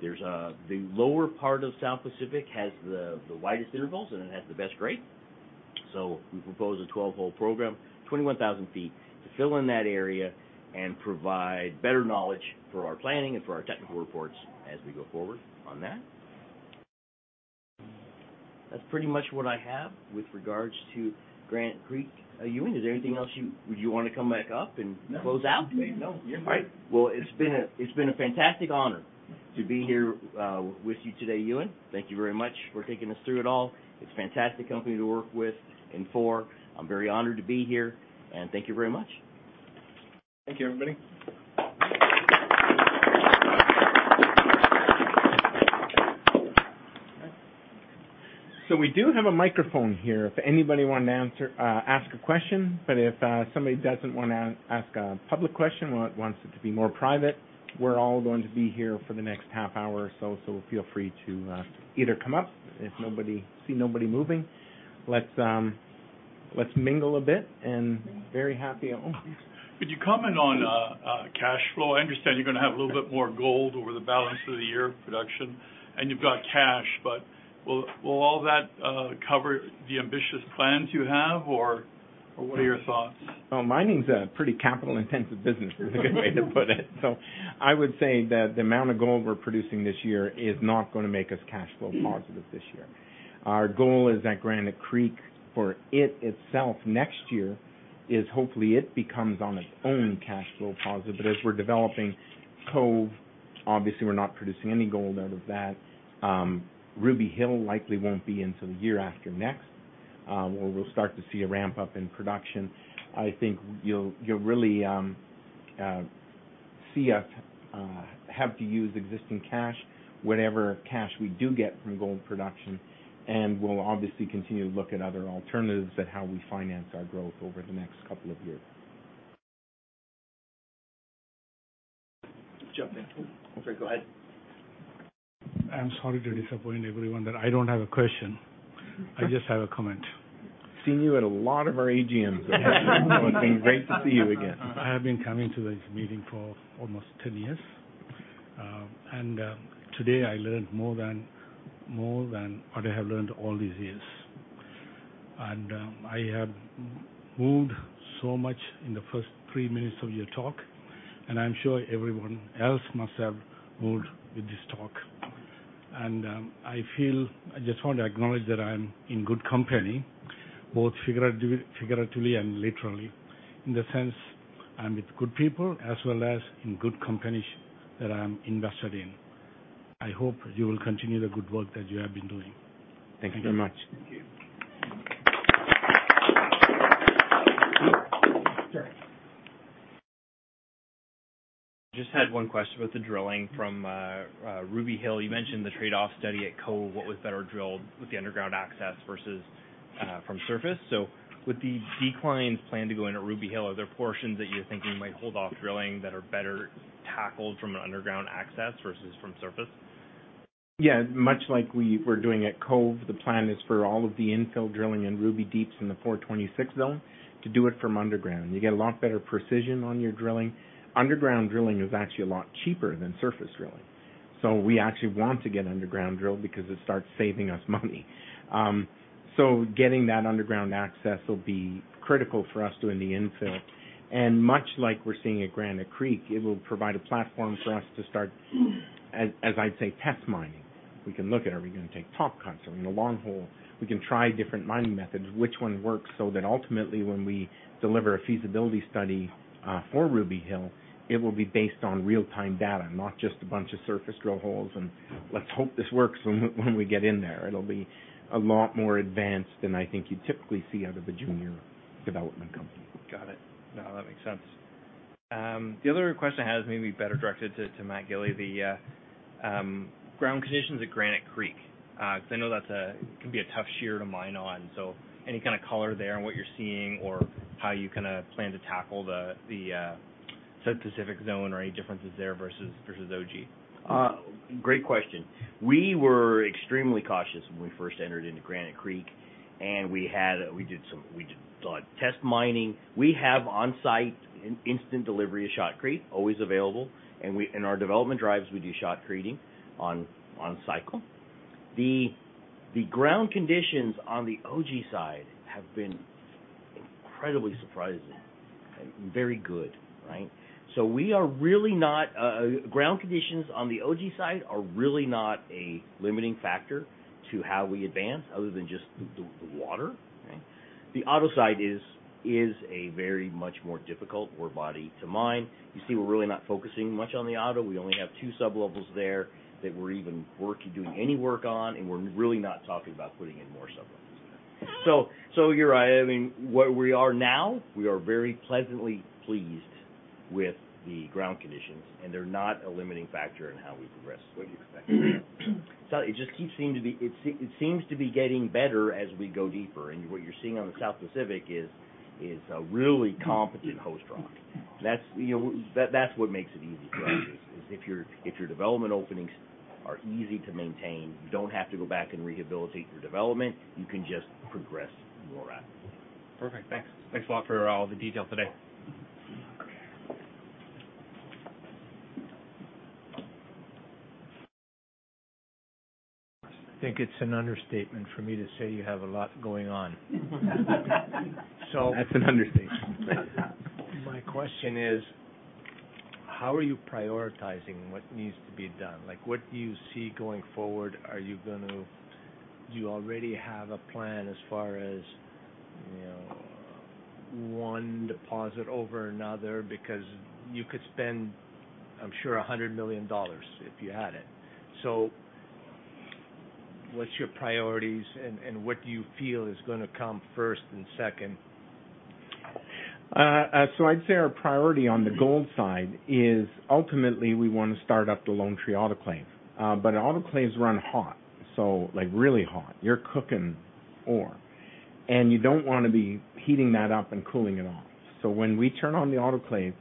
There's the lower part of South Pacific has the widest intervals, and it has the best grade. We propose a 12-hole program, 21,000 feet, to fill in that area and provide better knowledge for our planning and for our technical reports as we go forward on that. That's pretty much what I have with regards to Granite Creek. Ewan Downie, is there anything else? Do you want to come back up and close out? No. All right. Well, it's been a fantastic honor to be here, with you today, Ewan. Thank you very much for taking us through it all. It's a fantastic company to work with and for. I'm very honored to be here, and thank you very much. Thank you, everybody. We do have a microphone here if anybody wanted to answer, ask a question. If somebody doesn't wanna ask a public question, wants it to be more private, we're all going to be here for the next half hour or so, feel free to either come up. If nobody, see nobody moving, let's mingle a bit and very happy, oh. Could you comment on cash flow? I understand you're gonna have a little bit more gold over the balance of the year production and you've got cash, but will all that cover the ambitious plans you have or what are your thoughts? Mining's a pretty capital-intensive business is a good way to put it. I would say that the amount of gold we're producing this year is not gonna make us cash flow positive this year. Our goal is at Granite Creek for it itself next year is hopefully it becomes on its own cash flow positive. As we're developing Cove, obviously we're not producing any gold out of that. Ruby Hill likely won't be until the year after next, where we'll start to see a ramp up in production. I think you'll really see us have to use existing cash, whatever cash we do get from gold production. We'll obviously continue to look at other alternatives at how we finance our growth over the next couple of years. Jump in. Go ahead. I'm sorry to disappoint everyone that I don't have a question. I just have a comment. Seen you at a lot of our AGMs. It's been great to see you again. I have been coming to this meeting for almost 10 years, today I learned more than what I have learned all these years. I have moved so much in the first 3 minutes of your talk, and I'm sure everyone else must have moved with this talk. I just want to acknowledge that I'm in good company, both figurative, figuratively and literally, in the sense I'm with good people as well as in good companies that I'm invested in. I hope you will continue the good work that you have been doing. Thank you. Thank you very much. Thank you. Sure. Just had one question about the drilling from Ruby Hill. You mentioned the trade-off study at Cove, what was better drilled with the underground access versus from surface. With the declines planned to go into Ruby Hill, are there portions that you're thinking might hold off drilling that are better tackled from an underground access versus from surface? Much like we were doing at Cove, the plan is for all of the infill drilling in Ruby Deep's in the 426 zone to do it from underground. You get a lot better precision on your drilling. Underground drilling is actually a lot cheaper than surface drilling. We actually want to get underground drill because it starts saving us money. Getting that underground access will be critical for us doing the infill. Much like we're seeing at Granite Creek, it will provide a platform for us to start, as I'd say, test mining. We can look at are we gonna take top cuts? Are we in a long hole? We can try different mining methods, which one works, so then ultimately, when we deliver a feasibility study for Ruby Hill, it will be based on real-time data, not just a bunch of surface drill holes, and let's hope this works when we get in there. It'll be a lot more advanced than I think you'd typically see out of a junior development company. Got it. No, that makes sense. The other question I had is maybe better directed to Matt Gili, the ground conditions at Granite Creek. 'Cause I know that can be a tough shear to mine on, so any kind of color there on what you're seeing or how you kind of plan to tackle the South Pacific Zone or any differences there versus OG? Great question. We were extremely cautious when we first entered into Granite Creek, and we had, we did a lot of test mining. We have on-site in-instant delivery of shotcrete always available. In our development drives, we do shotcreting on cycle. The ground conditions on the OG side have been incredibly surprising. Very good, right. We are really not, ground conditions on the OG side are really not a limiting factor to how we advance, other than just the water, right. The Otto side is a very much more difficult ore body to mine. You see, we're really not focusing much on the Otto. We only have two sub-levels there that we're even doing any work on, and we're really not talking about putting in more sub-levels there. You're right. I mean, where we are now, we are very pleasantly pleased with the ground conditions, and they're not a limiting factor in how we progress what you expect. It just keeps seem to be. It seems to be getting better as we go deeper. What you're seeing on the South Pacific is a really competent host rock. That's, you know, that's what makes it easy for us, is if your development openings are easy to maintain, you don't have to go back and rehabilitate your development, you can just progress more rapidly. Perfect. Thanks. Thanks a lot for all the detail today. I think it's an understatement for me to say you have a lot going on. That's an understatement. My question is: How are you prioritizing what needs to be done? Like, what do you see going forward? Do you already have a plan as far as, you know, one deposit over another? Because you could spead, I'm sure, $100 million if you had it. What's your priorities, and what do you feel is gonna come first and second? I'd say our priority on the gold side is ultimately, we wanna start up the Lone Tree autoclave. Autoclaves run hot, so like really hot. You're cooking ore, and you don't wanna be heating that up and cooling it off. When we turn on the autoclave,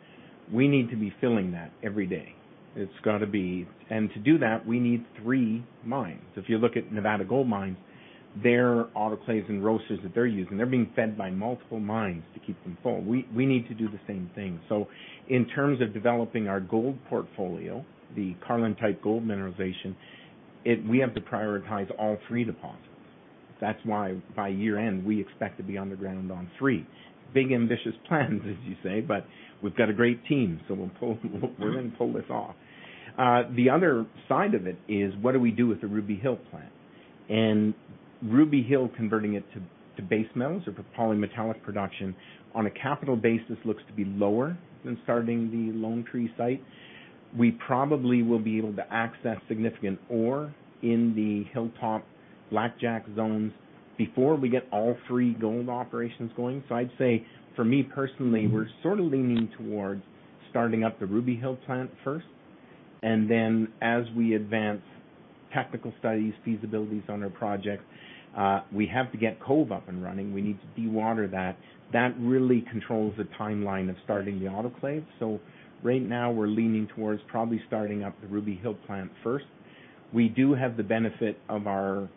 we need to be filling that every day. It's gotta be. To do that, we need three mines. If you look at Nevada Gold Mines, their autoclaves and roasters that they're using, they're being fed by multiple mines to keep them full. We need to do the same thing. In terms of developing our gold portfolio, the Carlin-style gold mineralization, we have to prioritize all three deposits. That's why by year-end, we expect to be underground on three. Big, ambitious plans, as you say. We've got a great team, we're gonna pull this off. The other side of it is what do we do with the Ruby Hill plant? Ruby Hill, converting it to base metals or polymetallic production on a capital basis looks to be lower than starting the Lone Tree site. We probably will be able to access significant ore in the Hilltop Blackjack zones before we get all three gold operations going. I'd say, for me personally, we're sort of leaning towards starting up the Ruby Hill plant first, as we advance technical studies, feasibilities on our project, we have to get Cove up and running. We need to dewater that. That really controls the timeline of starting the autoclave. Right now, we're leaning towards probably starting up the Ruby Hill plant first. We do have the benefit of our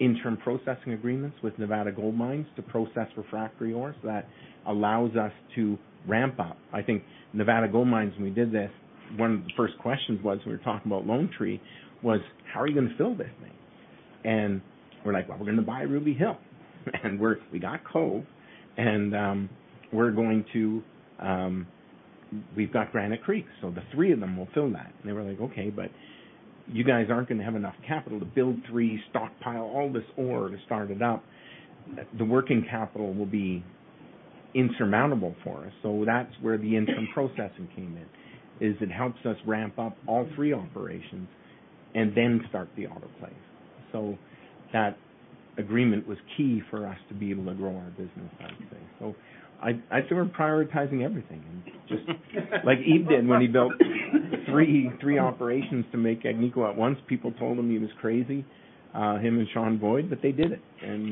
interim processing agreements with Nevada Gold Mines to process refractory ores. That allows us to ramp up. I think Nevada Gold Mines, when we did this, one of the first questions was, we were talking about Lone Tree, was, "How are you gonna fill this thing?" We're like, "Well, we're gonna buy Ruby Hill, and We got Cove, we're going to, we've got Granite Creek, so the three of them will fill that." They were like, "Okay, but you guys aren't gonna have enough capital to build three, stockpile all this ore to start it up." The working capital will be insurmountable for us, so that's where the interim processing came in, is it helps us ramp up all three operations and then start the autoclave. That agreement was key for us to be able to grow our business, I would say. I'd say we're prioritizing everything and just like Yves Harvey did when he built 3 operations to make Agnico at once. Penple told him he was crazy, him and Sean Boyd, but they did it.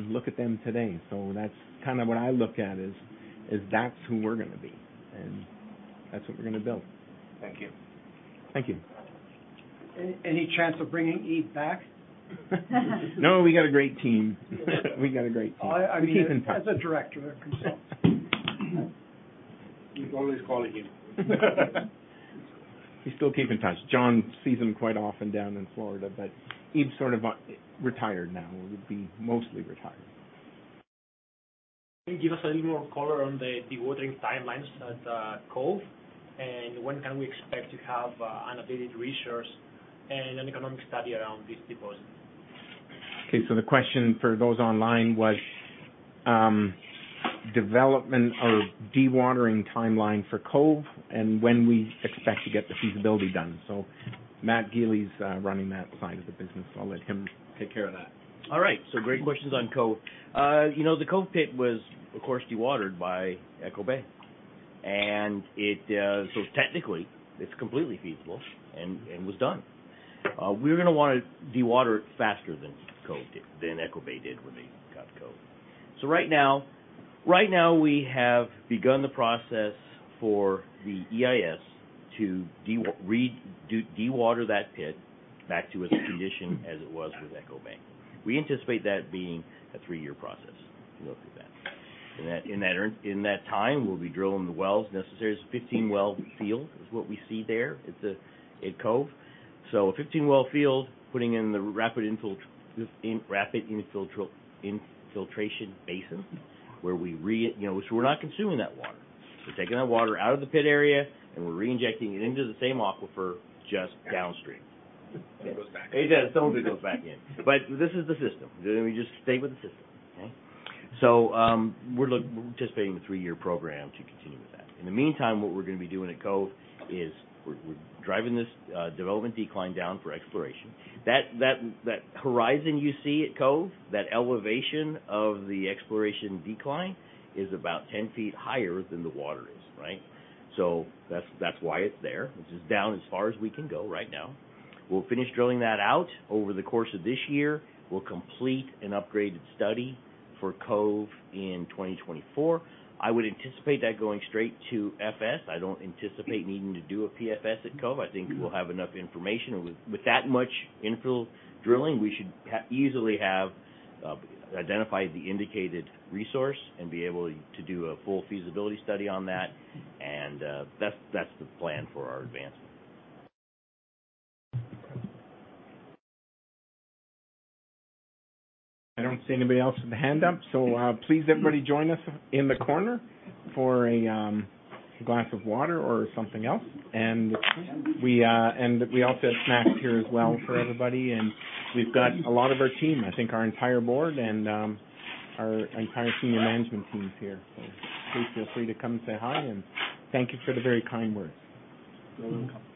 Look at them today. That's kinda what I look at is that's who we're gonna be. That's what we're gonna build. Thank you. Thank you. Any chance of bringing Yes back? No, we got a great team. We got a great team. I mean, we keep in touch as a director consult. You can always call him. We still keep in touch. John sees him quite often down in Florida. Yves Harvey sort of, retired now, or would be mostly retired. Can you give us a little more color on the dewatering timelines at Cove? When can we expect to have an updated resource and an economic study around this deposit? The question for those online was, development or dewatering timeline for Cove and when we expect to get the feasibility done. Matthew Gollat running that side of the business. I'll let him take care of that. All right. Great questions on Cove. You know, the Cove pit was, of course, dewatered by Echo Bay. It. So technically, it's completely feasible and was done. We're gonna wanna dewater it faster than Echo Bay did when they got Cove. Right now we have begun the process for the EIS to dewater that pit back to its condition as it was with Echo Bay. We anticipate that being a three-year process to go through that. In that time, we'll be drilling the wells necessary. It's a 15-well field is what we see there. It's at Cove. A 15-well field, putting in the rapid infiltration basin where we You know, so we're not consuming that water. We're taking that water out of the pit area, and we're reinjecting it into the same aquifer just downstream. It goes back in. It, some of it goes back in. This is the system. We just stay with the system. Okay? We're anticipating a 3-year program to continue with that. In the meantime, what we're gonna be doing at Cove is we're driving this development decline down for exploration. That horizon you see at Cove, that elevation of the exploration decline, is about 10 feet higher than the water is, right? That's why it's there, which is down as far as we can go right now. We'll finish drilling that out over the course of this year. We'll complete an upgraded study for Cove in 2024. I would anticipate that going straight to FS. I don't anticipate needing to do a PFS at Cove. I think we'll have enough information. With that much infill drilling, we should easily have identified the indicated resource and be able to do a full feasibility study on that. That's the plan for our advancement. I don't see anybody else with a hand up. Please, everybody, join us in the corner for a glass of water or something else. We also have snacks here as well for everybody. We've got a lot of our team. I think our entire board and our entire senior management team's here. Please feel free to come say hi, and thank you for the very kind words. You're welcome.